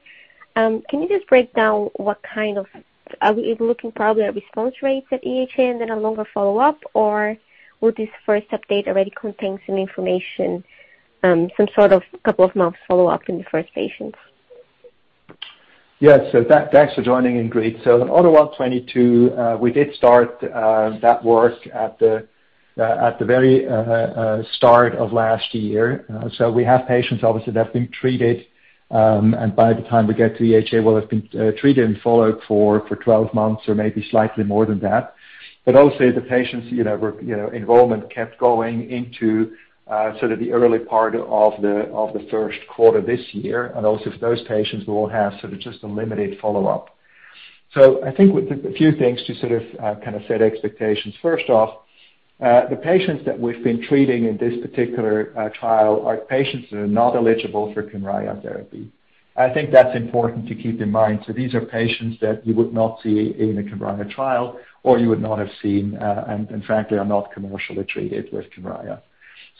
S11: Can you just break down are we looking probably at response rates at EHA and then a longer follow-up, or would this first update already contain some information, some sort of couple of months follow-up in the first patients?
S3: Yes. Thanks for joining, Ingrid. On AUTO1/22, we did start that work at the very start of last year. We have patients obviously that have been treated, and by the time we get to EHA will have been treated and followed for 12 months or maybe slightly more than that. Also the patients, you know, enrollment kept going into sort of the early part of the first quarter this year. Also those patients will have sort of just a limited follow-up. I think with a few things to sort of kind of set expectations. First off, the patients that we've been treating in this particular trial are patients that are not eligible for Kymriah therapy. I think that's important to keep in mind. These are patients that you would not see in a Kymriah trial or you would not have seen, and frankly are not commercially treated with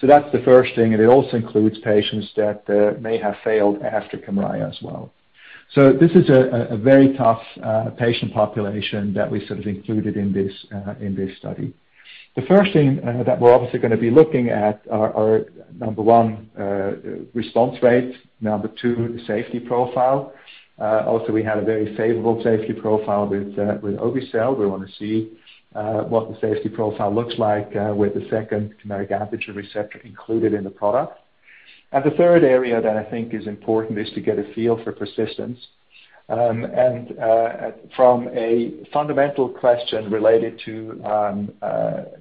S3: Kymriah. That's the first thing. It also includes patients that may have failed after Kymriah as well. This is a very tough patient population that we sort of included in this study. The first thing that we're obviously gonna be looking at are number one, response rates, number two, the safety profile. Also we had a very favorable safety profile with obe-cel. We wanna see what the safety profile looks like with the second chimeric antigen receptor included in the product. The third area that I think is important is to get a feel for persistence. From a fundamental question related to,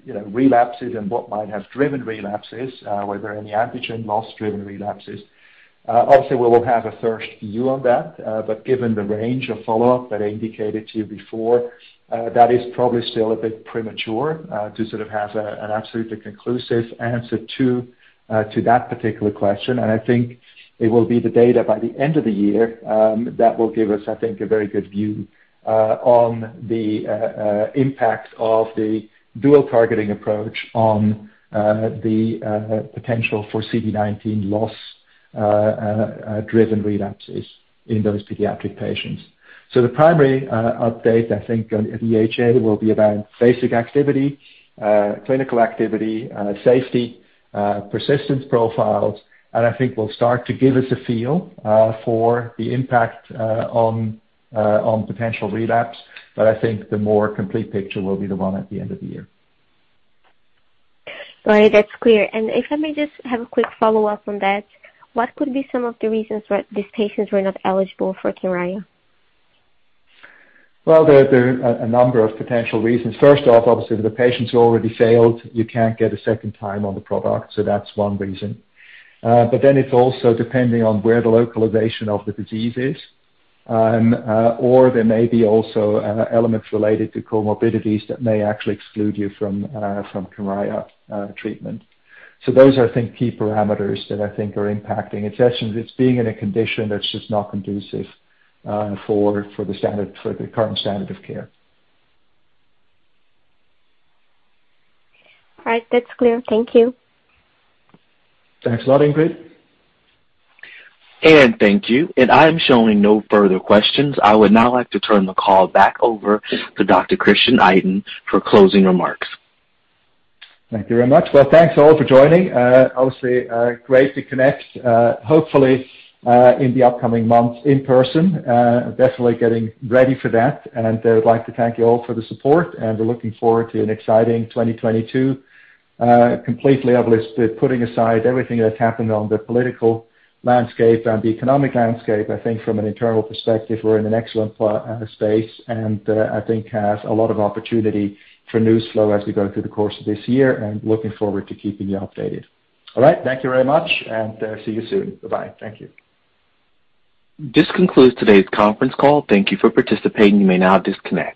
S3: you know, relapses and what might have driven relapses, were there any antigen loss-driven relapses? Obviously we will have a first view on that. But given the range of follow-up that I indicated to you before, that is probably still a bit premature to sort of have an absolutely conclusive answer to that particular question. I think it will be the data by the end of the year that will give us, I think, a very good view on the impact of the dual targeting approach on the potential for CD19 loss driven relapses in those pediatric patients. The primary update, I think, on EHA will be about basic activity, clinical activity, safety, persistence profiles, and I think will start to give us a feel for the impact on potential relapse. I think the more complete picture will be the one at the end of the year.
S11: All right. That's clear. If I may just have a quick follow-up on that. What could be some of the reasons why these patients were not eligible for Kymriah?
S3: Well, there are a number of potential reasons. First off, obviously, the patients who already failed, you can't get a second time on the product, so that's one reason. But then it's also depending on where the localization of the disease is, or there may be also elements related to comorbidities that may actually exclude you from Kymriah treatment. So those are I think key parameters that I think are impacting. It's just, it's being in a condition that's just not conducive for the current standard of care.
S11: All right. That's clear. Thank you.
S3: Thanks a lot, Ingrid.
S1: Thank you. I'm showing no further questions. I would now like to turn the call back over to Dr. Christian Itin for closing remarks.
S3: Thank you very much. Well, thanks all for joining. Obviously, great to connect, hopefully, in the upcoming months in person, definitely getting ready for that. I would like to thank you all for the support, and we're looking forward to an exciting 2022. Completely obviously putting aside everything that's happened on the political landscape and the economic landscape, I think from an internal perspective, we're in an excellent space and, I think has a lot of opportunity for news flow as we go through the course of this year and looking forward to keeping you updated. All right. Thank you very much, and see you soon. Bye-bye. Thank you.
S1: This concludes today's conference call. Thank you for participating. You may now disconnect.